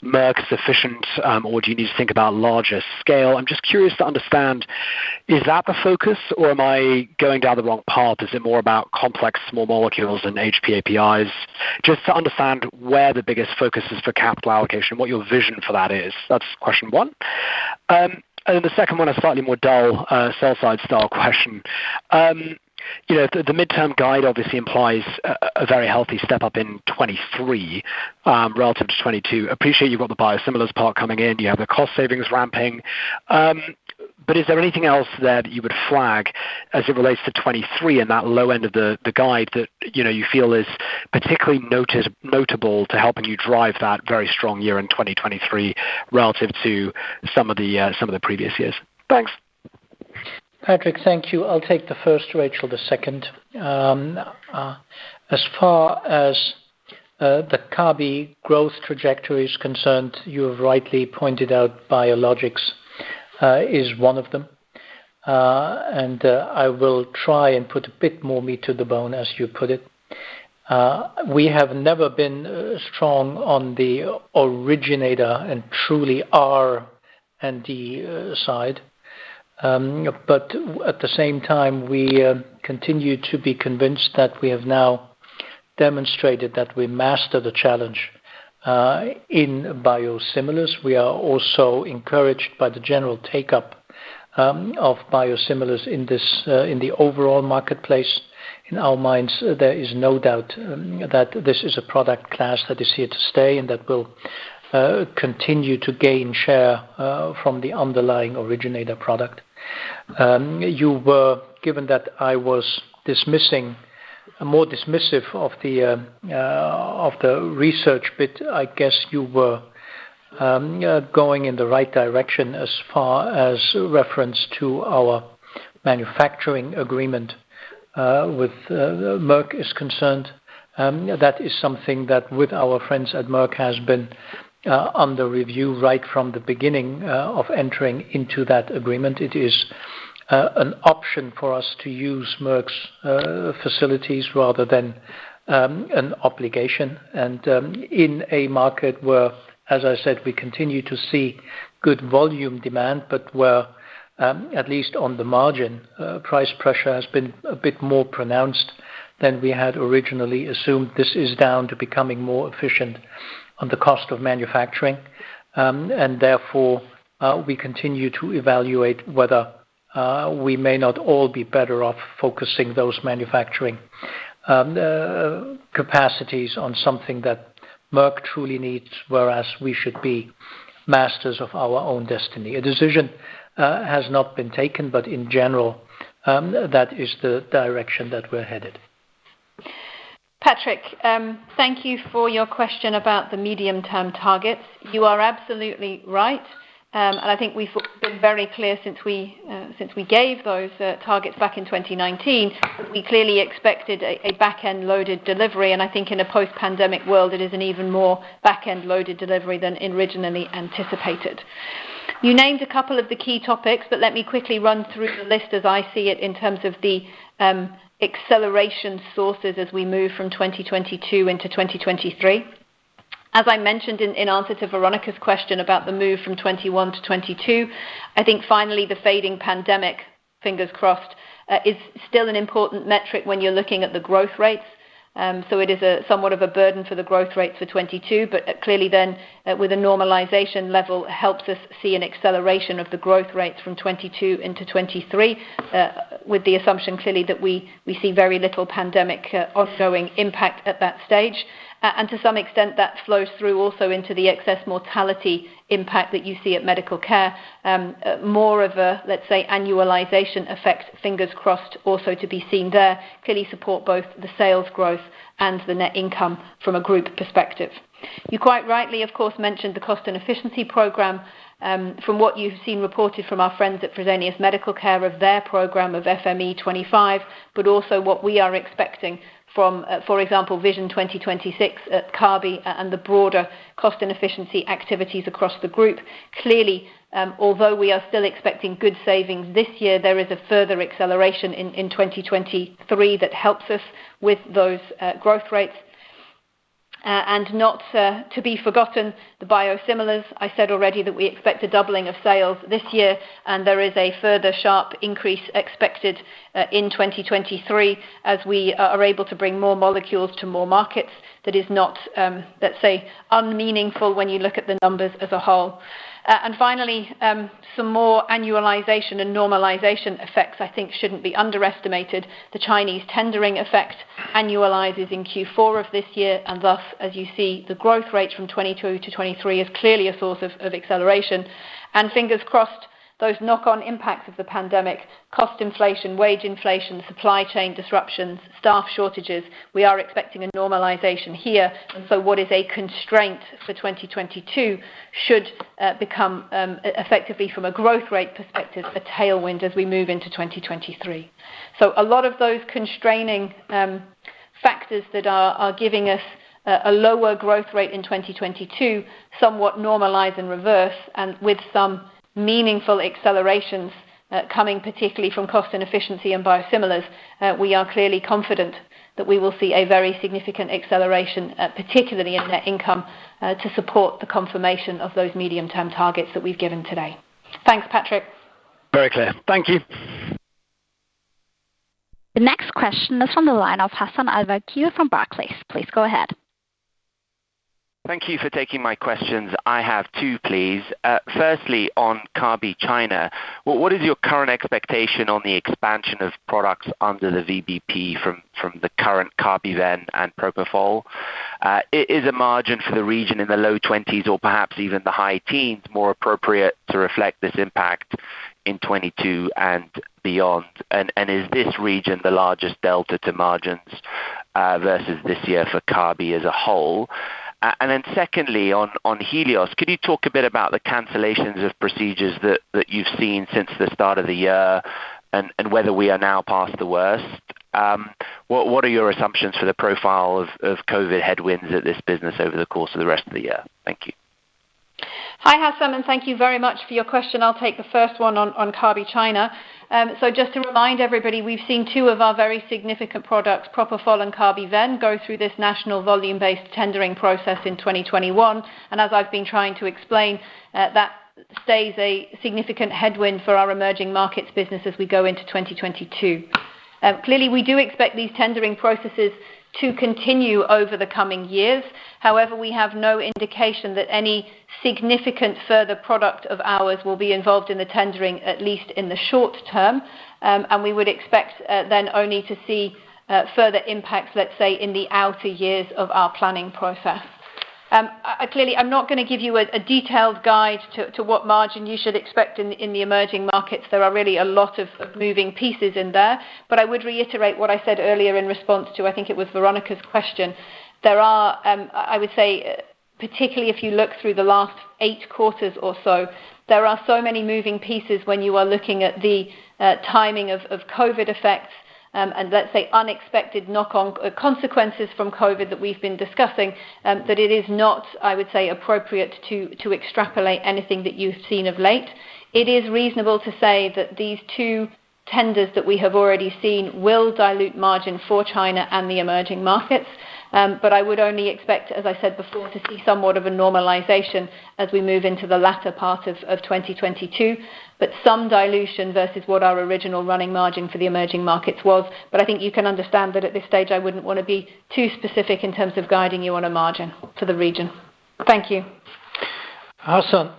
Merck sufficient, or do you need to think about larger scale? I'm just curious to understand, is that the focus or am I going down the wrong path? Is it more about complex small molecules than HPAPIs? Just to understand where the biggest focus is for capital allocation, what your vision for that is. That's question one. Then the second one is slightly more dull, sell-side style question. You know, the midterm guide obviously implies a very healthy step-up in 2023, relative to 2022. Appreciate you've got the biosimilars part coming in, you have the cost savings ramping. Is there anything else there that you would flag as it relates to 2023 in that low end of the guide that, you know, you feel is particularly notable to helping you drive that very strong year in 2023 relative to some of the previous years? Thanks. Patrick, thank you. I'll take the first, Rachel, the second. As far as the Kabi growth trajectory is concerned, you have rightly pointed out biologics is one of them. I will try and put a bit more meat to the bone, as you put it. We have never been strong on the originator and truly R&D side. At the same time, we continue to be convinced that we have now demonstrated that we master the challenge in biosimilars. We are also encouraged by the general take-up of biosimilars in the overall marketplace. In our minds, there is no doubt that this is a product class that is here to stay and that will continue to gain share from the underlying originator product. You were given that I was more dismissive of the research bit. I guess you were going in the right direction as far as reference to our manufacturing agreement with Merck is concerned. That is something that, with our friends at Merck, has been under review right from the beginning of entering into that agreement. It is an option for us to use Merck's facilities rather than an obligation. In a market where, as I said, we continue to see good volume demand, but where, at least on the margin, price pressure has been a bit more pronounced than we had originally assumed. This is down to becoming more efficient on the cost of manufacturing, and therefore, we continue to evaluate whether we may not all be better off focusing those manufacturing capacities on something that Merck truly needs, whereas we should be masters of our own destiny. A decision has not been taken, but in general, that is the direction that we're headed. Patrick, thank you for your question about the medium-term targets. You are absolutely right. I think we've been very clear since we gave those targets back in 2019, we clearly expected a back-end loaded delivery. I think in a post-pandemic world, it is an even more back-end loaded delivery than originally anticipated. You named a couple of the key topics, but let me quickly run through the list as I see it in terms of the acceleration sources as we move from 2022 into 2023. As I mentioned in answer to Veronika's question about the move from 2021 to 2022, I think finally the fading pandemic, fingers crossed, is still an important metric when you're looking at the growth rates. It is somewhat of a burden for the growth rates for 2022, but clearly, with a normalization level helps us see an acceleration of the growth rates from 2022 into 2023, with the assumption clearly that we see very little pandemic ongoing impact at that stage. To some extent, that flows through also into the excess mortality impact that you see at medical care. More of a, let's say, annualization effect, fingers crossed, also to be seen there, clearly support both the sales growth and the net income from a group perspective. You quite rightly, of course, mentioned the cost and efficiency program, from what you've seen reported from our friends at Fresenius Medical Care of their program of FME25, but also what we are expecting from, for example, Vision 2026 at Kabi and the broader cost and efficiency activities across the group. Clearly, although we are still expecting good savings this year, there is a further acceleration in 2023 that helps us with those growth rates. Not to be forgotten, the biosimilars. I said already that we expect a doubling of sales this year, and there is a further sharp increase expected in 2023 as we are able to bring more molecules to more markets. That is not, let's say, unmeaningful when you look at the numbers as a whole. Finally, some more annualization and normalization effects I think shouldn't be underestimated. The Chinese tendering effect annualizes in Q4 of this year, and thus, as you see, the growth rate from 2022 to 2023 is clearly a source of acceleration. Fingers crossed, those knock-on impacts of the pandemic, cost inflation, wage inflation, supply chain disruptions, staff shortages, we are expecting a normalization here. What is a constraint for 2022 should effectively, from a growth rate perspective, become a tailwind as we move into 2023. A lot of those constraining factors that are giving us a lower growth rate in 2022 somewhat normalize and reverse, and with some meaningful accelerations coming particularly from cost and efficiency and biosimilars, we are clearly confident that we will see a very significant acceleration particularly in net income to support the confirmation of those medium-term targets that we've given today. Thanks, Patrick. Very clear. Thank you. The next question is from the line of Hassan Al-Wakeel from Barclays. Please go ahead. Thank you for taking my questions. I have two, please. First, on Kabi China. What is your current expectation on the expansion of products under the VBP from the current Kabiven and propofol? Is a margin for the region in the low 20s% or perhaps even the high teens% more appropriate to reflect this impact in 2022 and beyond? And is this region the largest delta to margins versus this year for Kabi as a whole? And then second, on Helios, can you talk a bit about the cancellations of procedures that you've seen since the start of the year and whether we are now past the worst? What are your assumptions for the profile of COVID headwinds at this business over the course of the rest of the year? Thank you. Hi, Hassan, and thank you very much for your question. I'll take the first one on Kabi China. Just to remind everybody, we've seen two of our very significant products, propofol and Kabiven, go through this national volume-based tendering process in 2021. As I've been trying to explain, that stays a significant headwind for our emerging markets business as we go into 2022. Clearly, we do expect these tendering processes to continue over the coming years. However, we have no indication that any significant further product of ours will be involved in the tendering, at least in the short term. We would expect then only to see further impacts, let's say, in the outer years of our planning process. Clearly, I'm not gonna give you a detailed guide to what margin you should expect in the emerging markets. There are really a lot of moving pieces in there. I would reiterate what I said earlier in response to, I think it was Veronika's question. There are, I would say, particularly if you look through the last eight quarters or so many moving pieces when you are looking at the timing of COVID effects, and let's say unexpected knock-on consequences from COVID that we've been discussing, that it is not, I would say, appropriate to extrapolate anything that you've seen of late. It is reasonable to say that these two tenders that we have already seen will dilute margin for China and the emerging markets. I would only expect, as I said before, to see somewhat of a normalization as we move into the latter part of 2022. Some dilution versus what our original running margin for the emerging markets was. I think you can understand that at this stage, I wouldn't wanna be too specific in terms of guiding you on a margin for the region. Thank you. Hassan,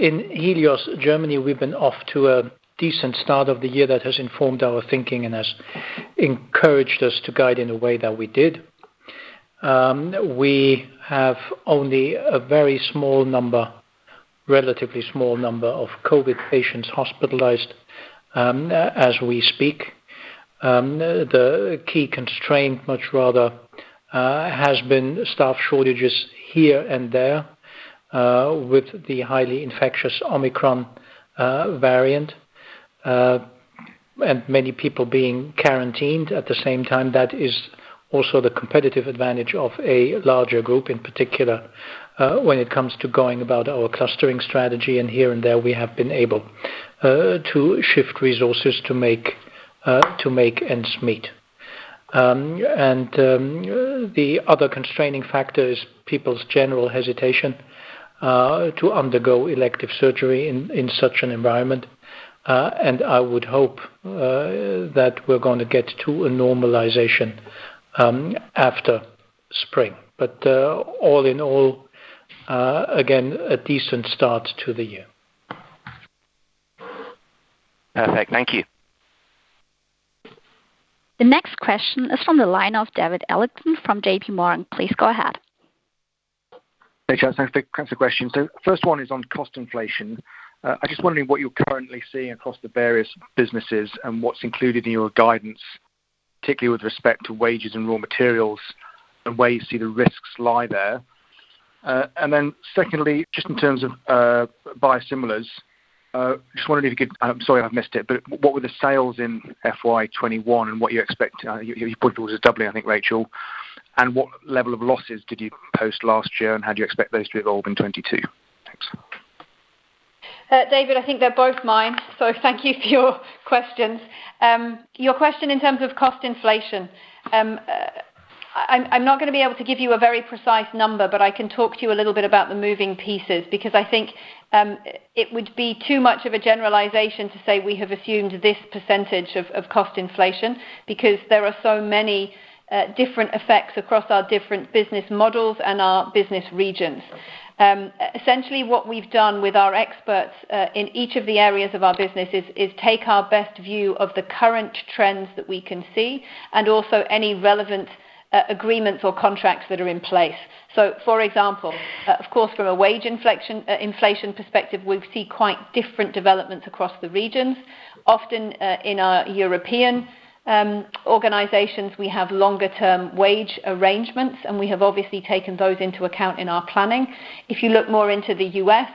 in Helios Germany, we've been off to a decent start of the year that has informed our thinking and has encouraged us to guide in a way that we did. We have only a very small number, relatively small number of COVID patients hospitalized, as we speak. The key constraint much rather has been staff shortages here and there with the highly infectious Omicron variant and many people being quarantined at the same time. That is also the competitive advantage of a larger group, in particular, when it comes to going about our clustering strategy, and here and there we have been able to shift resources to make ends meet. The other constraining factor is people's general hesitation to undergo elective surgery in such an environment. I would hope that we're gonna get to a normalization after spring. All in all, again, a decent start to the year. Perfect. Thank you. The next question is from the line of David Adlington from J.P. Morgan. Please go ahead. Thanks, Rachel. I have two Kabi questions. First one is on cost inflation. I'm just wondering what you're currently seeing across the various businesses and what's included in your guidance, particularly with respect to wages and raw materials and where you see the risks lie there. Secondly, just in terms of biosimilars, just wondering if you could. Sorry, I've missed it, but what were the sales in FY 2021 and what you expect? You put it all as a doubling, I think, Rachel. What level of losses did you post last year, and how do you expect those to evolve in 2022? Thanks. David, I think they're both mine, so thank you for your questions. Your question in terms of cost inflation. I'm not gonna be able to give you a very precise number, but I can talk to you a little bit about the moving pieces because I think it would be too much of a generalization to say we have assumed this percentage of cost inflation because there are so many different effects across our different business models and our business regions. Essentially what we've done with our experts in each of the areas of our businesses is take our best view of the current trends that we can see and also any relevant agreements or contracts that are in place. For example, of course, from a wage inflation perspective, we see quite different developments across the regions. Often, in our European organizations, we have longer term wage arrangements, and we have obviously taken those into account in our planning. If you look more into the U.S.,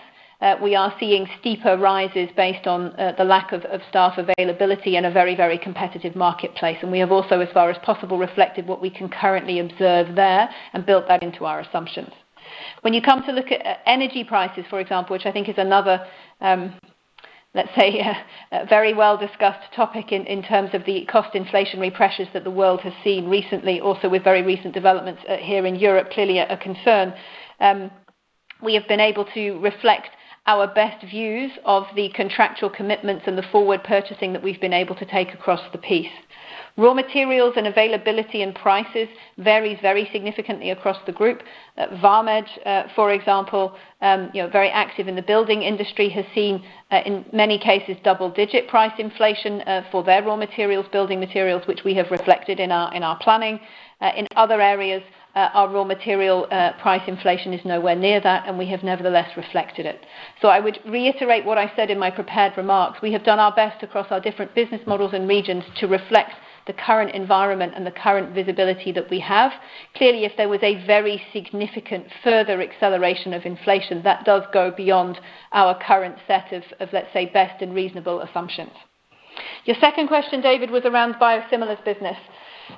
we are seeing steeper rises based on the lack of staff availability in a very, very competitive marketplace. We have also, as far as possible, reflected what we can currently observe there and built that into our assumptions. When you come to look at energy prices, for example, which I think is another, let's say, a very well-discussed topic in terms of the cost inflationary pressures that the world has seen recently, also with very recent developments here in Europe, clearly are a concern. We have been able to reflect our best views of the contractual commitments and the forward purchasing that we've been able to take across the piece. Raw materials and availability and prices vary very significantly across the group. Vamed, for example, you know, very active in the building industry, has seen, in many cases, double-digit price inflation, for their raw materials, building materials, which we have reflected in our, in our planning. In other areas, our raw material, price inflation is nowhere near that, and we have nevertheless reflected it. I would reiterate what I said in my prepared remarks. We have done our best across our different business models and regions to reflect the current environment and the current visibility that we have. Clearly, if there was a very significant further acceleration of inflation, that does go beyond our current set of, let's say, best and reasonable assumptions. Your second question, David, was around biosimilars business.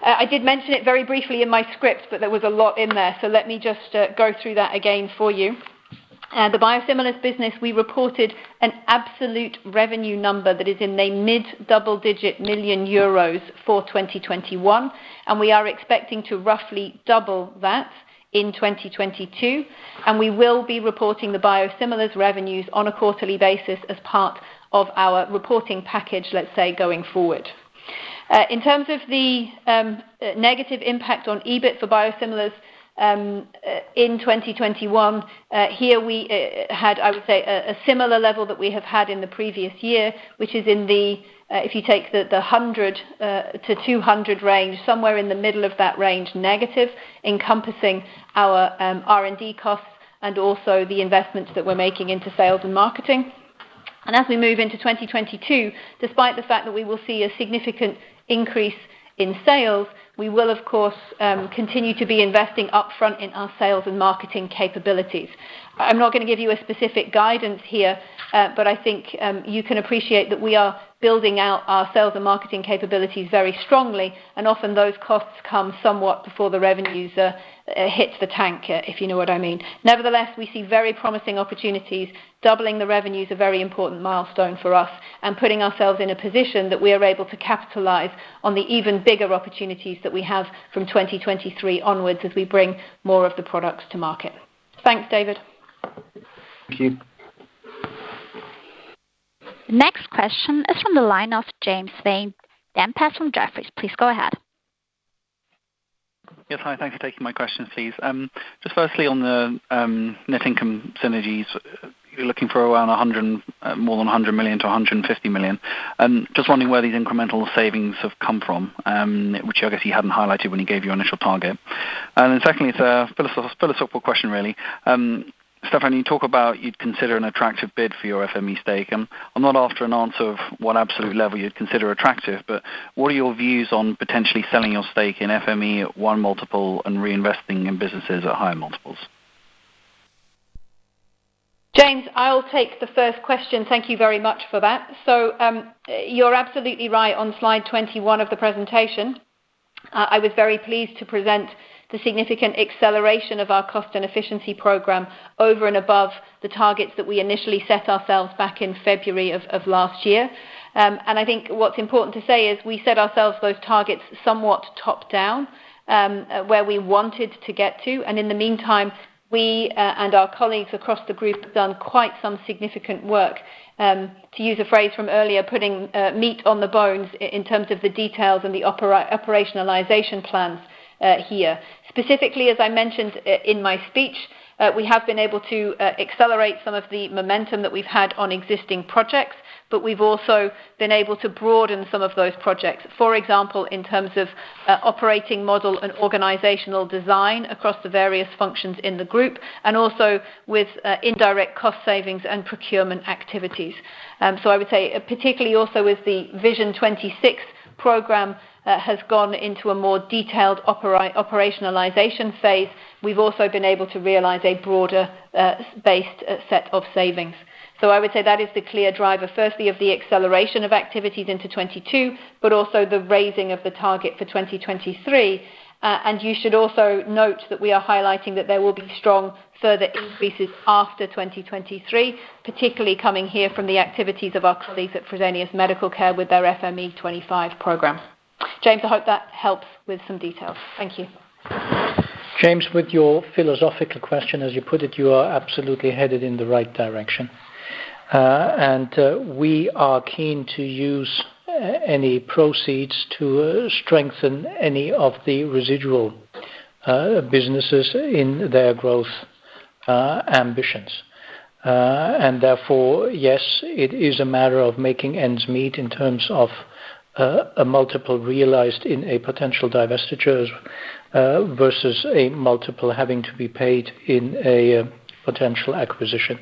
I did mention it very briefly in my script, but there was a lot in there. So let me just go through that again for you. The biosimilars business, we reported an absolute revenue number that is in the mid-double-digit million EUR for 2021, and we are expecting to roughly double that in 2022. We will be reporting the biosimilars revenues on a quarterly basis as part of our reporting package, let's say, going forward. In terms of the negative impact on EBIT for biosimilars in 2021, here we had, I would say, a similar level that we have had in the previous year. Which is in the 100 million-200 million range, somewhere in the middle of that range, negative, encompassing our R&D costs and also the investments that we're making into sales and marketing. As we move into 2022, despite the fact that we will see a significant increase in sales, we will, of course, continue to be investing upfront in our sales and marketing capabilities. I'm not gonna give you a specific guidance here, but I think, you can appreciate that we are building out our sales and marketing capabilities very strongly, and often those costs come somewhat before the revenues hit the bank, if you know what I mean. Nevertheless, we see very promising opportunities. Doubling the revenue is a very important milestone for us and putting ourselves in a position that we are able to capitalize on the even bigger opportunities that we have from 2023 onwards as we bring more of the products to market. Thanks, David. Thank you. The next question is from the line of James Vane-Tempest from Jefferies. Please go ahead. Yes. Hi, thanks for taking my questions, please. Just firstly on the net income synergies. You're looking for more than 100 million-150 million. Just wondering where these incremental savings have come from, which I guess you hadn't highlighted when you gave your initial target. Secondly, it's a philosophical question, really. Stephan, you talk about you'd consider an attractive bid for your FME stake. I'm not after an answer of what absolute level you'd consider attractive, but what are your views on potentially selling your stake in FME at one multiple and reinvesting in businesses at higher multiples? James, I'll take the first question. Thank you very much for that. You're absolutely right on slide 21 of the presentation. I was very pleased to present the significant acceleration of our cost and efficiency program over and above the targets that we initially set ourselves back in February of last year. I think what's important to say is we set ourselves those targets somewhat top-down, where we wanted to get to. In the meantime, we and our colleagues across the group have done quite some significant work to use a phrase from earlier, putting meat on the bones in terms of the details and the operationalization plans here. Specifically, as I mentioned in my speech, we have been able to accelerate some of the momentum that we've had on existing projects, but we've also been able to broaden some of those projects. For example, in terms of operating model and organizational design across the various functions in the group, and also with indirect cost savings and procurement activities. I would say, particularly also with the Vision 2026 program, has gone into a more detailed operationalization phase. We've also been able to realize a broader based set of savings. I would say that is the clear driver, firstly of the acceleration of activities into 2022, but also the raising of the target for 2023. You should also note that we are highlighting that there will be strong further increases after 2023, particularly coming here from the activities of our colleagues at Fresenius Medical Care with their FME25 program. James, I hope that helps with some details. Thank you. James, with your philosophical question, as you put it, you are absolutely headed in the right direction. We are keen to use any proceeds to strengthen any of the residual businesses in their growth ambitions. Therefore, yes, it is a matter of making ends meet in terms of a multiple realized in a potential divestitures versus a multiple having to be paid in a potential acquisition.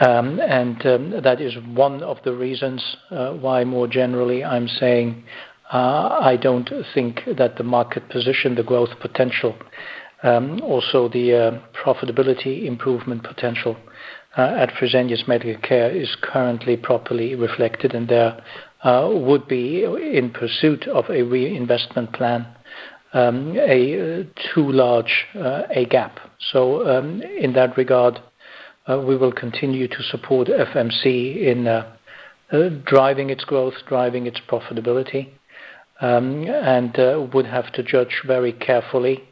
That is one of the reasons why more generally, I'm saying I don't think that the market position, the growth potential, also the profitability improvement potential at Fresenius Medical Care is currently properly reflected in there. There would be in pursuit of a reinvestment plan too large a gap. In that regard, we will continue to support FMC in driving its growth, driving its profitability, and would have to judge very carefully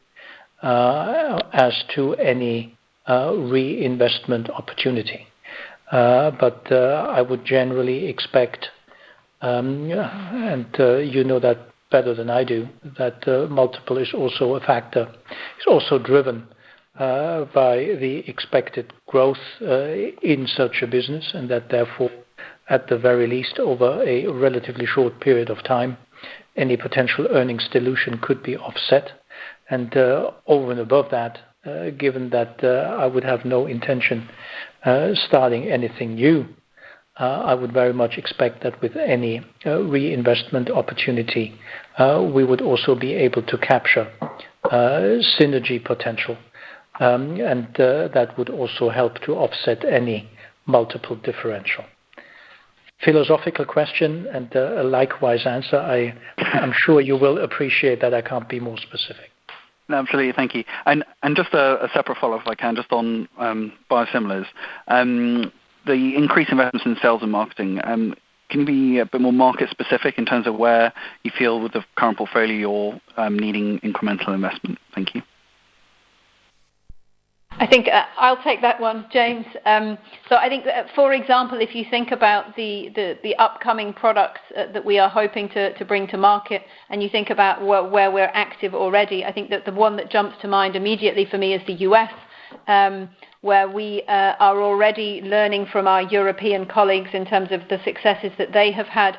as to any reinvestment opportunity. I would generally expect, and you know that better than I do, that multiple is also a factor. It's also driven by the expected growth in such a business, and that therefore, at the very least, over a relatively short period of time, any potential earnings dilution could be offset. Over and above that, given that I would have no intention starting anything new, I would very much expect that with any reinvestment opportunity, we would also be able to capture synergy potential, and that would also help to offset any multiple differential. Philosophical question and, a likewise answer. I'm sure you will appreciate that I can't be more specific. Absolutely. Thank you. Just a separate follow-up if I can just on biosimilars. The increase in revenue in sales and marketing, can you be a bit more market specific in terms of where you feel with the current portfolio, needing incremental investment? Thank you. I think, I'll take that one, James. I think, for example, if you think about the upcoming products that we are hoping to bring to market and you think about where we're active already, I think that the one that jumps to mind immediately for me is the U.S., where we are already learning from our European colleagues in terms of the successes that they have had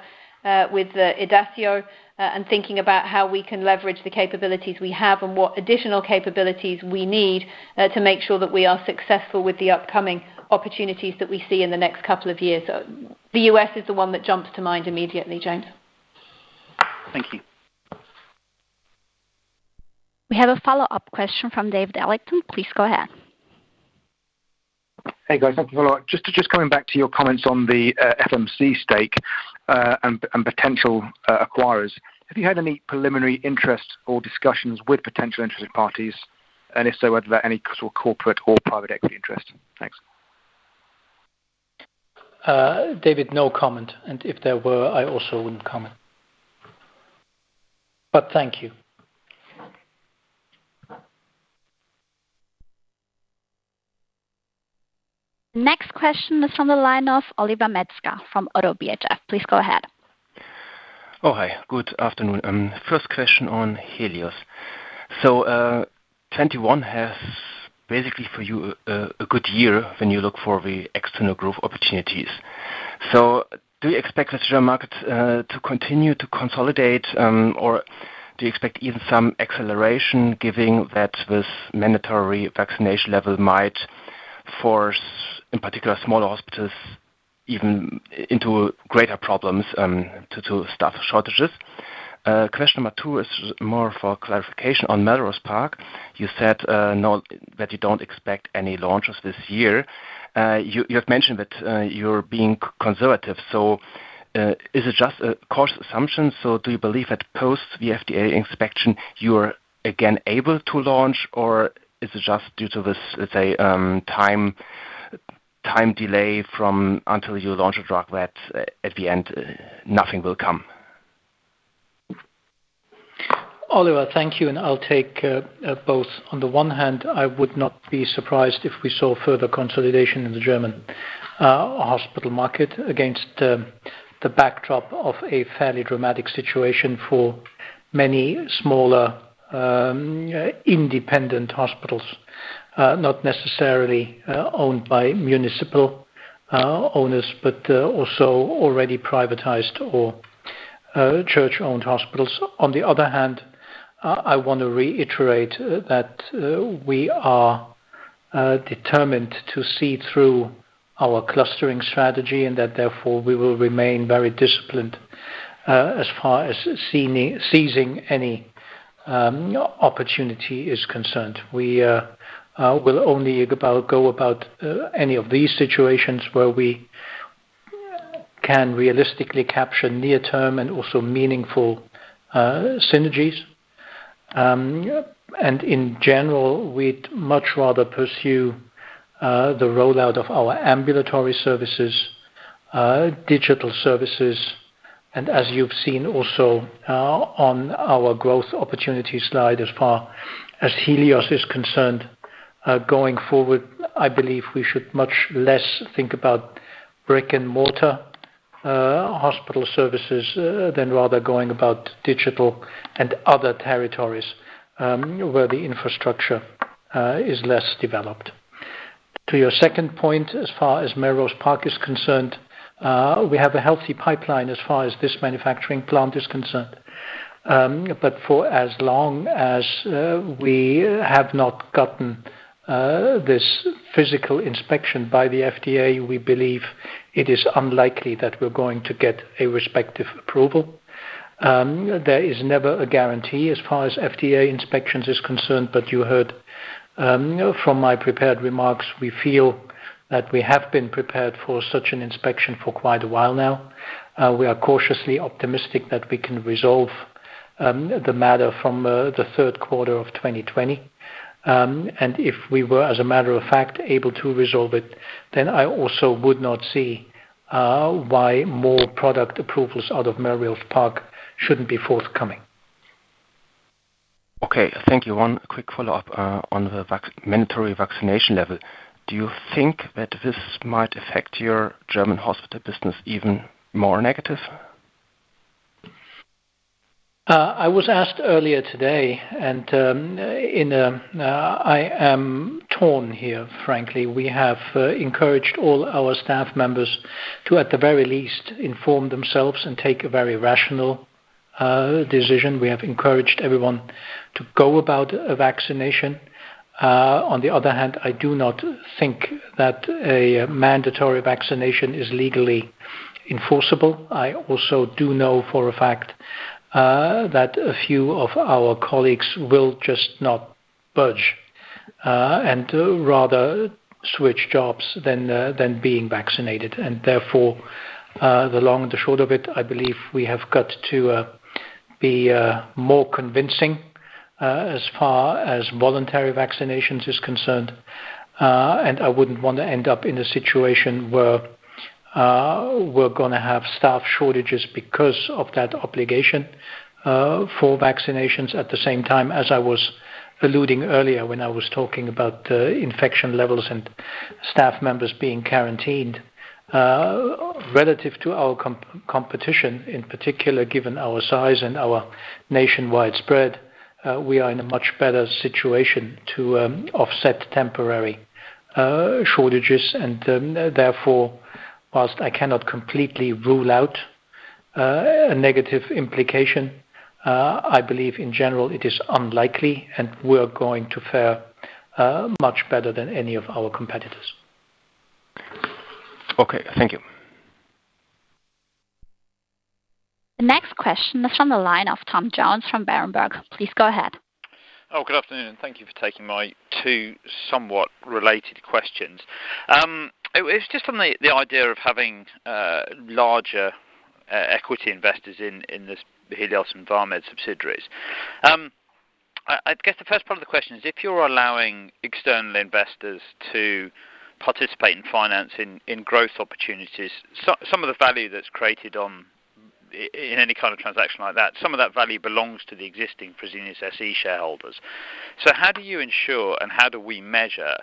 with Idacio, and thinking about how we can leverage the capabilities we have and what additional capabilities we need to make sure that we are successful with the upcoming opportunities that we see in the next couple of years. The U.S. is the one that jumps to mind immediately, James. Thank you. We have a follow-up question from David Adlington. Please go ahead. Hey, guys. Thank you for follow-up. Just coming back to your comments on the FMC stake, and potential acquirers. Have you had any preliminary interest or discussions with potential interested parties? If so, are there any sort of corporate or private equity interest? Thanks. David, no comment. If there were, I also wouldn't comment. Thank you. Next question is from the line of Oliver Metzger from ODDO BHF. Please go ahead. Oh, hi. Good afternoon. First question on Helios. 21 has basically for you a good year when you look for the external growth opportunities. Do you expect the German market to continue to consolidate, or do you expect even some acceleration given that this mandatory vaccination level might force, in particular, small hospitals even into greater problems, due to staff shortages? Question number two is more for clarification on Melrose Park. You said that you don't expect any launches this year. You have mentioned that you're being conservative. Is it just a cost assumption? Do you believe that post the FDA inspection, you are again able to launch, or is it just due to this, let's say, time delay from until you launch a drug that at the end nothing will come? Oliver, thank you, and I'll take both. On the one hand, I would not be surprised if we saw further consolidation in the German hospital market against the backdrop of a fairly dramatic situation for many smaller independent hospitals, not necessarily owned by municipal owners, but also already privatized or church-owned hospitals. On the other hand, I want to reiterate that we are determined to see through our clustering strategy and that therefore we will remain very disciplined as far as seizing any opportunity is concerned. We will only go about any of these situations where we can realistically capture near term and also meaningful synergies. In general, we'd much rather pursue the rollout of our ambulatory services, digital services. As you've seen also, on our growth opportunity slide, as far as Helios is concerned, going forward, I believe we should much less think about brick-and-mortar hospital services than rather going about digital and other territories, where the infrastructure is less developed. To your second point, as far as Melrose Park is concerned, we have a healthy pipeline as far as this manufacturing plant is concerned. But for as long as we have not gotten this physical inspection by the FDA, we believe it is unlikely that we're going to get a respective approval. There is never a guarantee as far as FDA inspections is concerned, but you heard, you know, from my prepared remarks, we feel that we have been prepared for such an inspection for quite a while now. We are cautiously optimistic that we can resolve the matter from the Q3 of 2020. If we were, as a matter of fact, able to resolve it, then I also would not see why more product approvals out of Melrose Park shouldn't be forthcoming. Okay, thank you. One quick follow-up on the mandatory vaccination level. Do you think that this might affect your German hospital business even more negative? I was asked earlier today. I am torn here, frankly. We have encouraged all our staff members to, at the very least, inform themselves and take a very rational decision. We have encouraged everyone to go about a vaccination. On the other hand, I do not think that a mandatory vaccination is legally enforceable. I also do know for a fact that a few of our colleagues will just not budge and rather switch jobs than being vaccinated. Therefore, the long and short of it, I believe we have got to be more convincing as far as voluntary vaccinations is concerned. I wouldn't want to end up in a situation where we're gonna have staff shortages because of that obligation for vaccinations. At the same time, as I was alluding earlier when I was talking about infection levels and staff members being quarantined. Relative to our competition, in particular, given our size and our nationwide spread, we are in a much better situation to offset temporary shortages. Therefore, while I cannot completely rule out a negative implication, I believe in general it is unlikely, and we're going to fare much better than any of our competitors. Okay, thank you. The next question is from the line of Tom Jones from Berenberg. Please go ahead. Good afternoon. Thank you for taking my two somewhat related questions. It was just on the idea of having larger equity investors in this Helios and Vamed subsidiaries. I guess the first part of the question is if you're allowing external investors to participate in financing growth opportunities, some of the value that's created in any kind of transaction like that, some of that value belongs to the existing Fresenius SE shareholders. How do you ensure and how do we measure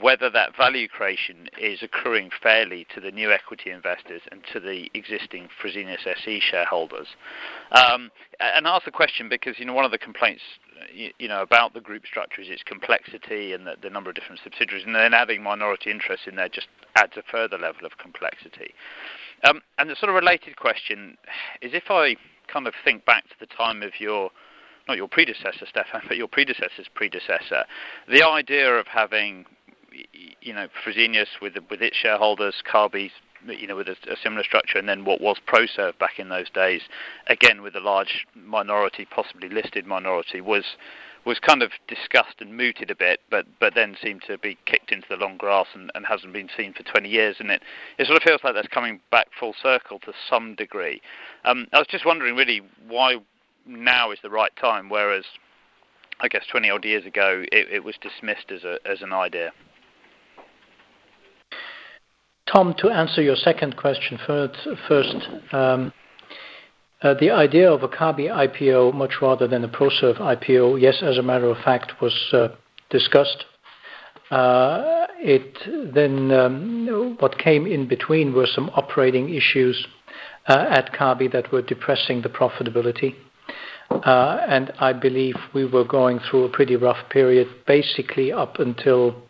whether that value creation is occurring fairly to the new equity investors and to the existing Fresenius SE shareholders? I ask the question because, you know, one of the complaints, you know, about the group structure is its complexity and the number of different subsidiaries, and then adding minority interest in there just adds a further level of complexity. The sort of related question is if I kind of think back to the time of your, not your predecessor, Stephan, but your predecessor's predecessor, the idea of having, you know, Fresenius with its shareholders, Kabi, you know, with a similar structure, and then what was ProServe back in those days, again, with a large minority, possibly listed minority, was kind of discussed and mooted a bit, but then seemed to be kicked into the long grass and hasn't been seen for 20 years. It sort of feels like that's coming back full circle to some degree. I was just wondering really why now is the right time, whereas I guess 20-odd years ago it was dismissed as an idea. Tom, to answer your second question first, the idea of a Kabi IPO much rather than a ProServe IPO, yes, as a matter of fact, was discussed. It then, what came in between were some operating issues at Kabi that were depressing the profitability. I believe we were going through a pretty rough period, basically up until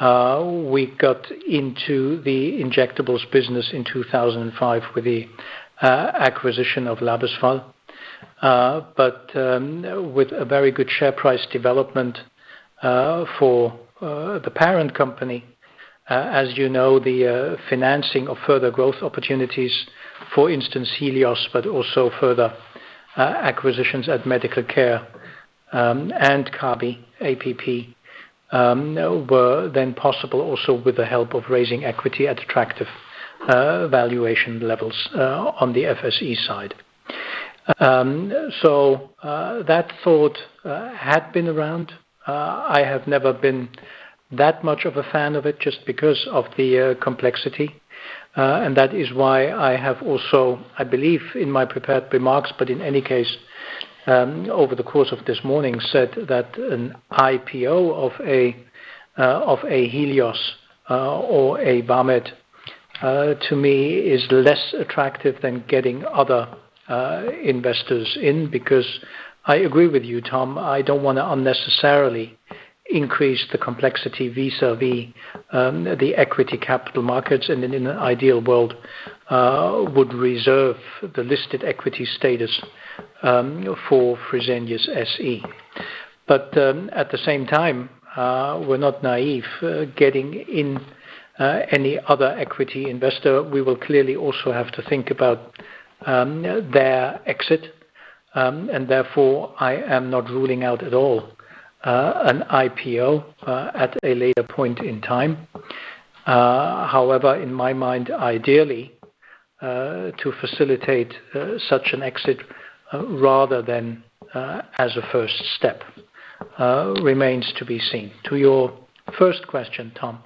we got into the injectables business in 2005 with the acquisition of Labesfal. With a very good share price development for the parent company, as you know, the financing of further growth opportunities, for instance, Helios, but also further acquisitions at Medical Care, and Kabi APP , were then possible also with the help of raising equity at attractive valuation levels on the FSE side. That thought had been around. I have never been that much of a fan of it just because of the complexity. That is why I have also, I believe in my prepared remarks, but in any case, over the course of this morning, said that an IPO of a Helios or a Vamed to me is less attractive than getting other investors in because I agree with you, Tom. I don't wanna unnecessarily increase the complexity vis-à-vis the equity capital markets and in an ideal world would reserve the listed equity status for Fresenius SE. At the same time, we're not naive. Getting in any other equity investor, we will clearly also have to think about their exit, and therefore, I am not ruling out at all an IPO at a later point in time. However, in my mind, ideally to facilitate such an exit rather than as a first step remains to be seen. To your first question, Tom,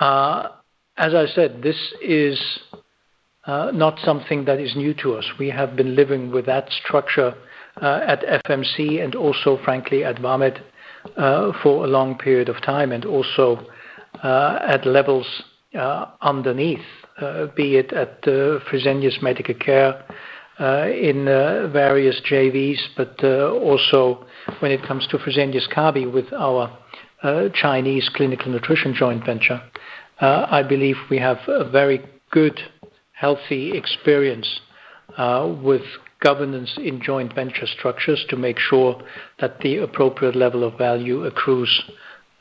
as I said, this is not something that is new to us. We have been living with that structure at FMC and also frankly at Vamed for a long period of time and also at levels underneath, be it at Fresenius Medical Care in various JVs, but also when it comes to Fresenius Kabi with our Chinese clinical nutrition joint venture. I believe we have a very good, healthy experience with governance in joint venture structures to make sure that the appropriate level of value accrues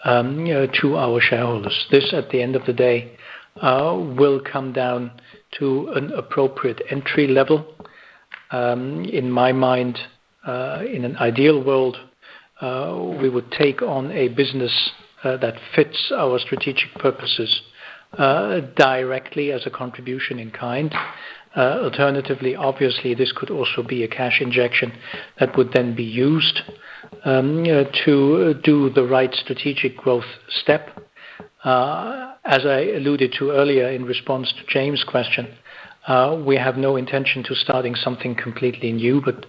to our shareholders. This, at the end of the day, will come down to an appropriate entry level. In my mind, in an ideal world, we would take on a business that fits our strategic purposes directly as a contribution in kind. Alternatively, obviously, this could also be a cash injection that would then be used to do the right strategic growth step. As I alluded to earlier in response to James' question, we have no intention to starting something completely new, but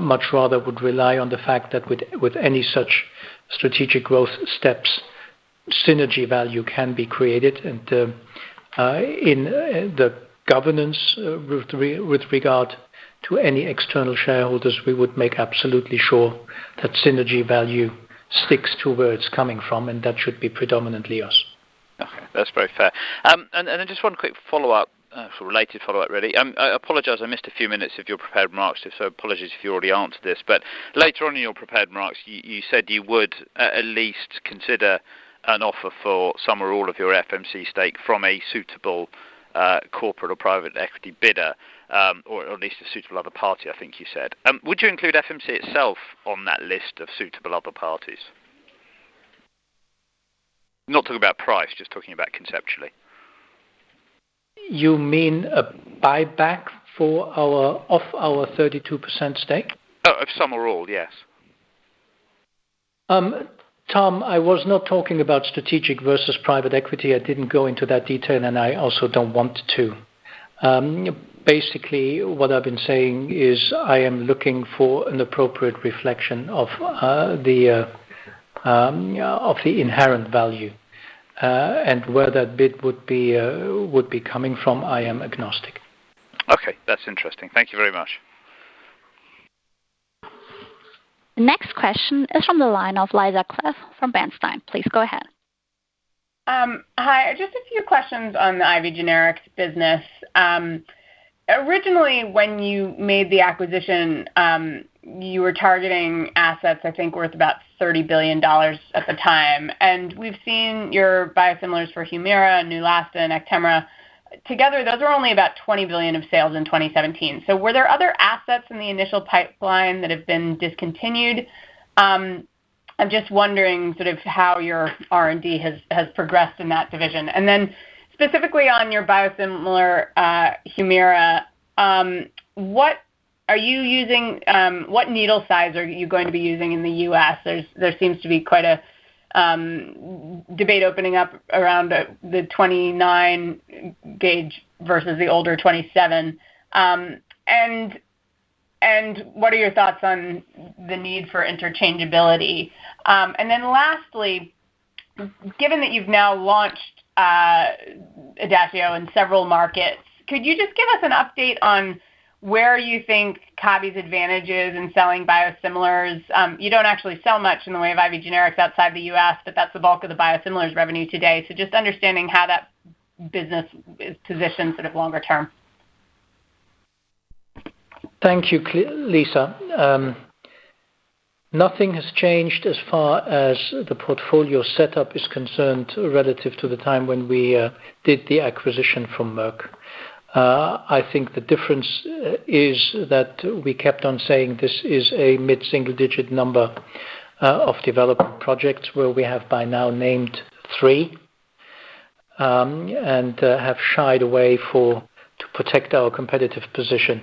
much rather would rely on the fact that with any such strategic growth steps, synergy value can be created. In the governance with regard to any external shareholders, we would make absolutely sure that synergy value sticks to where it's coming from, and that should be predominantly us. Okay. That's very fair. Just one quick follow-up, related follow-up, really. I apologize, I missed a few minutes of your prepared remarks, so apologies if you already answered this. Later on in your prepared remarks, you said you would at least consider an offer for some or all of your FMC stake from a suitable corporate or private equity bidder, or at least a suitable other party, I think you said. Would you include FMC itself on that list of suitable other parties? Not talking about price, just talking about conceptually. You mean a buyback of our 32% stake? No. of some or all, yes. Tom, I was not talking about strategic versus private equity. I didn't go into that detail, and I also don't want to. Basically, what I've been saying is I am looking for an appropriate reflection of the inherent value. Where that bid would be coming from, I am agnostic. Okay. That's interesting. Thank you very much. Next question is from the line of Lisa Clive from Bernstein. Please go ahead. Just a few questions on the IV Generics business. Originally when you made the acquisition, you were targeting assets, I think worth about $30 billion at the time. We've seen your biosimilars for Humira, Neulasta, and Actemra. Together, those are only about $20 billion of sales in 2017. Were there other assets in the initial pipeline that have been discontinued? I'm just wondering sort of how your R&D has progressed in that division. Then specifically on your biosimilar, Humira, what needle size are you going to be using in the U.S.? There seems to be quite a debate opening up around the 29-gauge versus the older 27-gauge. And what are your thoughts on the need for interchangeability? Lastly, given that you've now launched Idacio in several markets, could you just give us an update on where you think Kabi's advantage is in selling biosimilars? You don't actually sell much in the way of IV Generics outside the U.S., but that's the bulk of the biosimilars revenue today. Just understanding how that business is positioned sort of longer term. Thank you, Lisa. Nothing has changed as far as the portfolio setup is concerned relative to the time when we did the acquisition from Merck. I think the difference is that we kept on saying this is a mid-single digit number of development projects where we have by now named three, and have shied away to protect our competitive position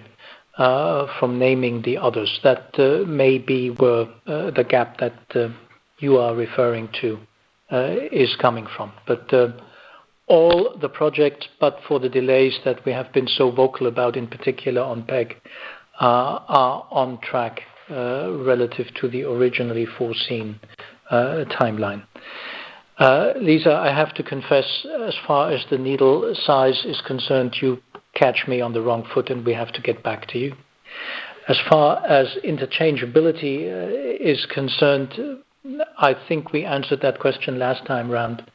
from naming the others. That maybe were the gap that you are referring to is coming from. All the projects, but for the delays that we have been so vocal about, in particular on PEG, are on track relative to the originally foreseen timeline. Lisa, I have to confess, as far as the needle size is concerned, you catch me on the wrong foot, and we have to get back to you. As far as interchangeability is concerned, I think we answered that question last time around.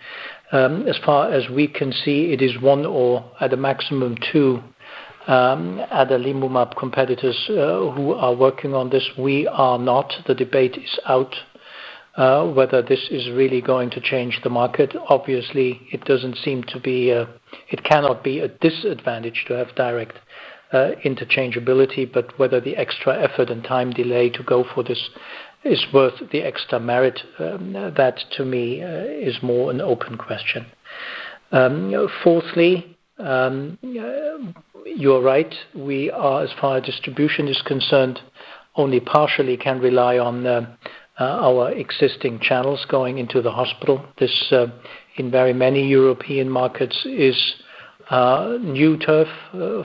As far as we can see, it is one or at a maximum two other adalimumab competitors who are working on this, we are not. The debate is out whether this is really going to change the market. Obviously, it cannot be a disadvantage to have direct interchangeability, but whether the extra effort and time delay to go for this is worth the extra merit, that to me is more an open question. Fourthly, you're right, we are, as far as distribution is concerned, only partially can rely on our existing channels going into the hospital. This in very many European markets is new turf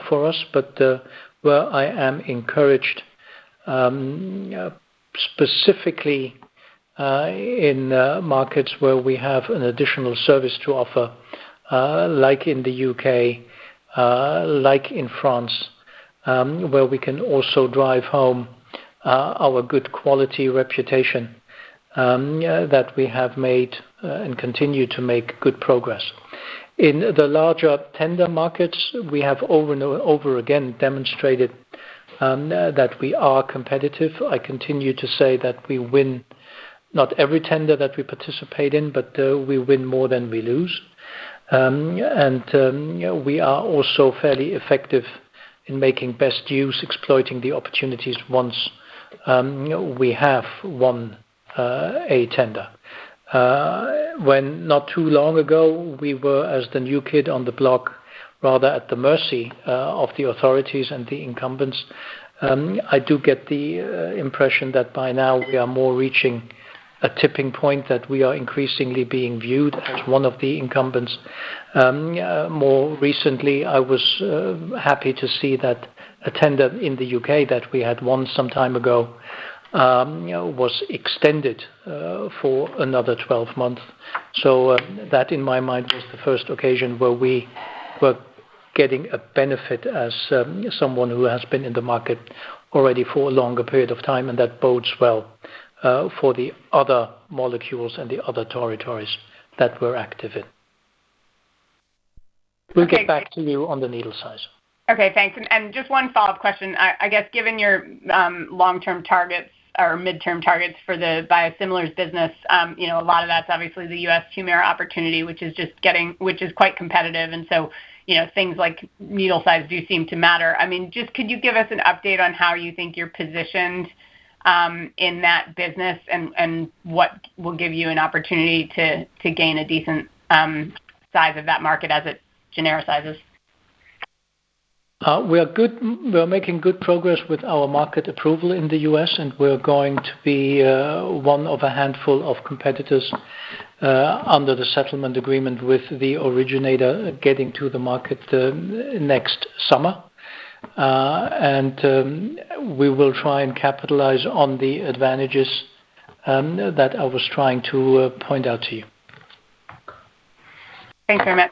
for us. Where I am encouraged, specifically in markets where we have an additional service to offer, like in the U.K., like in France, where we can also drive home our good quality reputation that we have made and continue to make good progress. In the larger tender markets, we have over and over again demonstrated that we are competitive. I continue to say that we win not every tender that we participate in, but we win more than we lose. We are also fairly effective in making best use, exploiting the opportunities once we have won a tender. When not too long ago, we were as the new kid on the block rather at the mercy of the authorities and the incumbents. I do get the impression that by now we are more reaching a tipping point, that we are increasingly being viewed as one of the incumbents. More recently, I was happy to see that a tender in the U.K. that we had won some time ago, you know, was extended for another 12 months. That, in my mind, was the first occasion where we were getting a benefit as someone who has been in the market already for a longer period of time, and that bodes well for the other molecules and the other territories that we're active in. Okay. We'll get back to you on the needle size. Okay, thanks. Just one follow-up question. I guess, given your long-term targets or midterm targets for the biosimilars business, you know, a lot of that's obviously the U.S. Humira opportunity, which is quite competitive. You know, things like needle size do seem to matter. I mean, just could you give us an update on how you think you're positioned in that business and what will give you an opportunity to gain a decent size of that market as it genericizes? We are good. We are making good progress with our market approval in the U.S., and we're going to be one of a handful of competitors under the settlement agreement with the originator getting to the market the next summer. We will try and capitalize on the advantages that I was trying to point out to you. Thanks very much.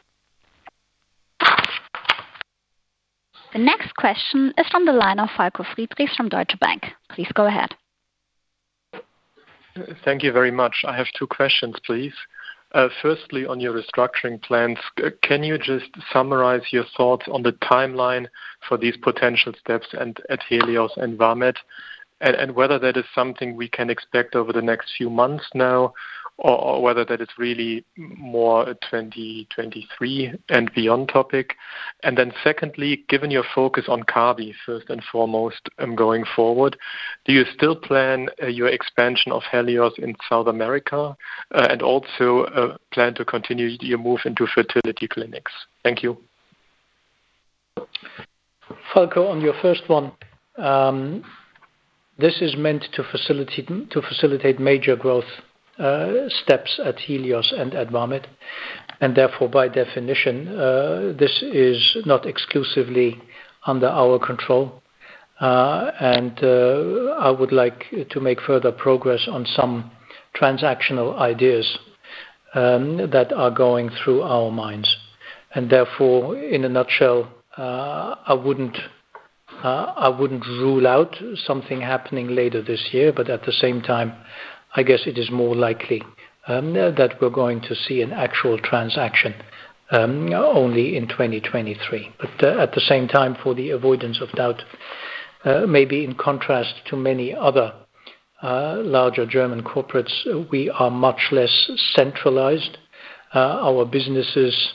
The next question is from the line of Falko Friedrichs from Deutsche Bank. Please go ahead. Thank you very much. I have two questions, please. First, on your restructuring plans, can you just summarize your thoughts on the timeline for these potential steps and at Helios and Vamed, and whether that is something we can expect over the next few months now or whether that is really more a 2023 and beyond topic? Second, given your focus on Kabi, first and foremost, going forward, do you still plan your expansion of Helios in South America, and also plan to continue your move into fertility clinics? Thank you. Falko, on your first one, this is meant to facilitate major growth steps at Helios and at Vamed, and therefore, by definition, this is not exclusively under our control. I would like to make further progress on some transactional ideas that are going through our minds. Therefore, in a nutshell, I wouldn't rule out something happening later this year, but at the same time, I guess it is more likely that we're going to see an actual transaction only in 2023. At the same time, for the avoidance of doubt, maybe in contrast to many other larger German corporates, we are much less centralized. Our businesses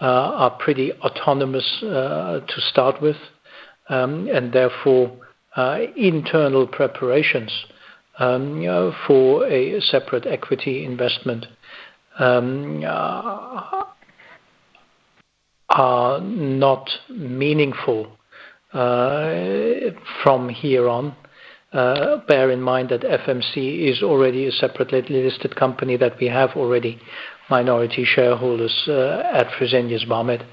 are pretty autonomous to start with, and therefore internal preparations for a separate equity investment are not meaningful from here on. Bear in mind that FMC is already a separately listed company, that we have already minority shareholders at Fresenius Vamed,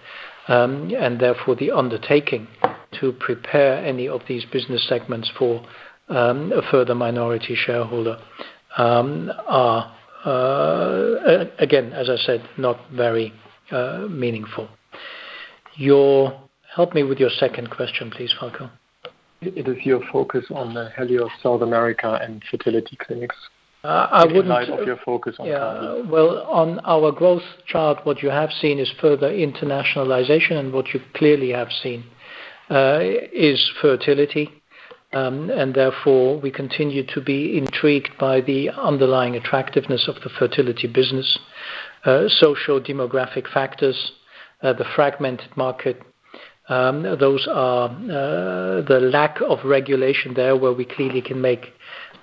and therefore the undertaking to prepare any of these business segments for a further minority shareholder are again, as I said, not very meaningful. Help me with your second question, please, Falko. It is your focus on the health of South America and fertility clinics. I wouldn't- In light of your focus on [Colombia.] Yeah. Well, on our growth chart, what you have seen is further internationalization, and what you clearly have seen is fertility. Therefore, we continue to be intrigued by the underlying attractiveness of the fertility business, socio-demographic factors, the fragmented market. Those are the lack of regulation there where we clearly can make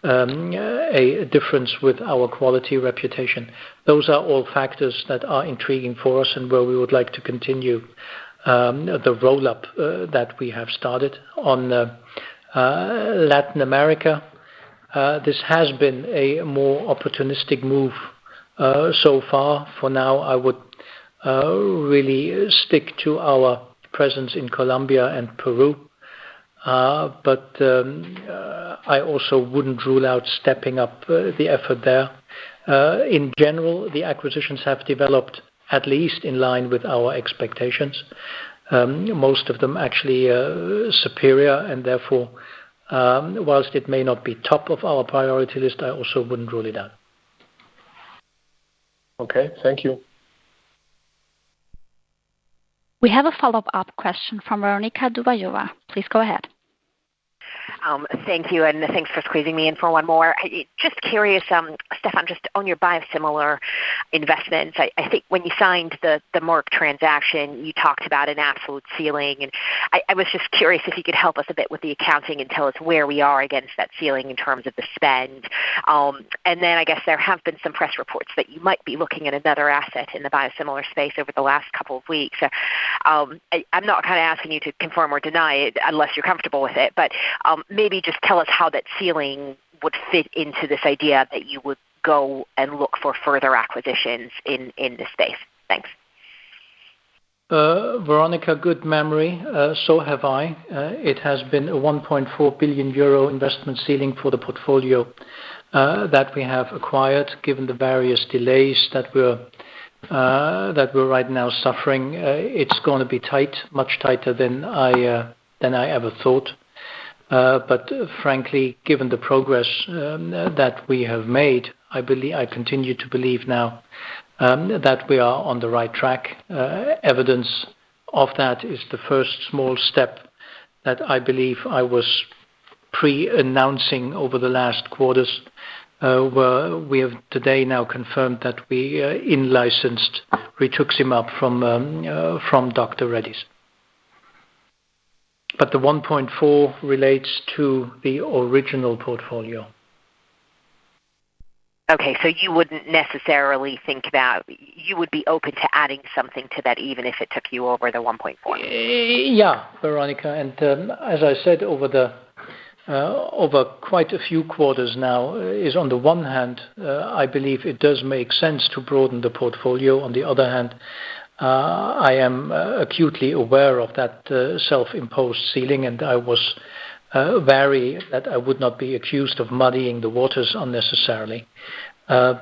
a difference with our quality reputation. Those are all factors that are intriguing for us and where we would like to continue the roll-up that we have started on Latin America. This has been a more opportunistic move so far. For now, I would really stick to our presence in Colombia and Peru. I also wouldn't rule out stepping up the effort there. In general, the acquisitions have developed at least in line with our expectations. Most of them actually superior, and therefore, while it may not be top of our priority list, I also wouldn't rule it out. Okay, thank you. We have a follow-up question from Veronika Dubajova. Please go ahead. Thank you, and thanks for squeezing me in for one more. Just curious, Stephan, just on your biosimilar investments. I think when you signed the Merck transaction, you talked about an absolute ceiling, and I was just curious if you could help us a bit with the accounting and tell us where we are against that ceiling in terms of the spend. Then I guess there have been some press reports that you might be looking at another asset in the biosimilar space over the last couple of weeks. I'm not kinda asking you to confirm or deny it unless you're comfortable with it, but maybe just tell us how that ceiling would fit into this idea that you would go and look for further acquisitions in this space. Thanks. Veronika, good memory. So have I. It has been a 1.4 billion euro investment ceiling for the portfolio that we have acquired. Given the various delays that we're right now suffering, it's gonna be tight, much tighter than I ever thought. Frankly, given the progress that we have made, I continue to believe now that we are on the right track. Evidence of that is the first small step that I believe I was pre-announcing over the last quarters, where we have today now confirmed that we in-licensed rituximab from Dr. Reddy's. The 1.4 billion relates to the original portfolio. You would be open to adding something to that even if it took you over the 1.4 billion? Yeah, Veronika. As I said over quite a few quarters now, on the one hand, I believe it does make sense to broaden the portfolio. On the other hand, I am acutely aware of that self-imposed ceiling, and I was wary that I would not be accused of muddying the waters unnecessarily. I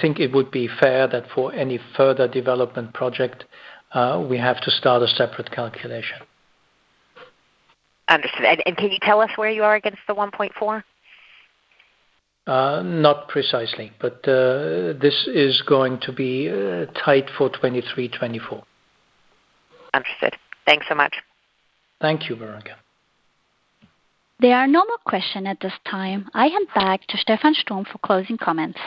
think it would be fair that for any further development project, we have to start a separate calculation. Understood. Can you tell us where you are against the 1.4 billion? Not precisely, but this is going to be tight for 2023, 2024. Understood. Thanks so much. Thank you, Veronika. There are no more questions at this time. I hand back to Stephan Sturm for closing comments.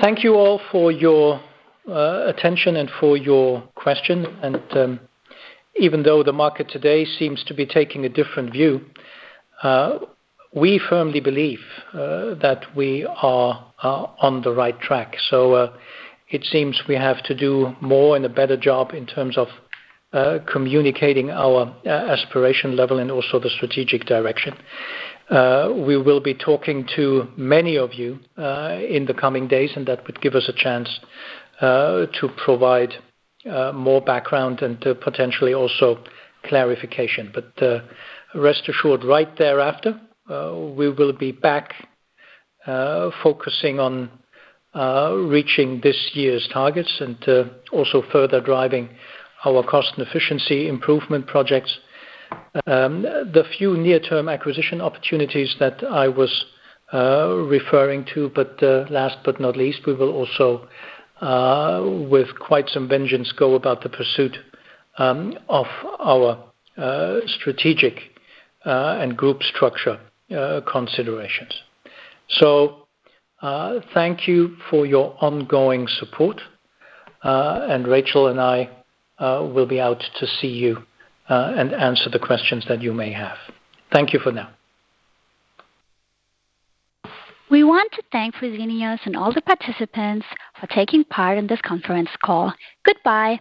Thank you all for your attention and for your questions. Even though the market today seems to be taking a different view, we firmly believe that we are on the right track. It seems we have to do more and a better job in terms of communicating our aspiration level and also the strategic direction. We will be talking to many of you in the coming days, and that would give us a chance to provide more background and to potentially also clarification. Rest assured right thereafter, we will be back focusing on reaching this year's targets and also further driving our cost and efficiency improvement projects. The few near-term acquisition opportunities that I was referring to, but last but not least, we will also with quite some vengeance go about the pursuit of our strategic and group structure considerations. Thank you for your ongoing support, and Rachel and I will be out to see you and answer the questions that you may have. Thank you for now. We want to thank Fresenius and all the participants for taking part in this conference call. Goodbye.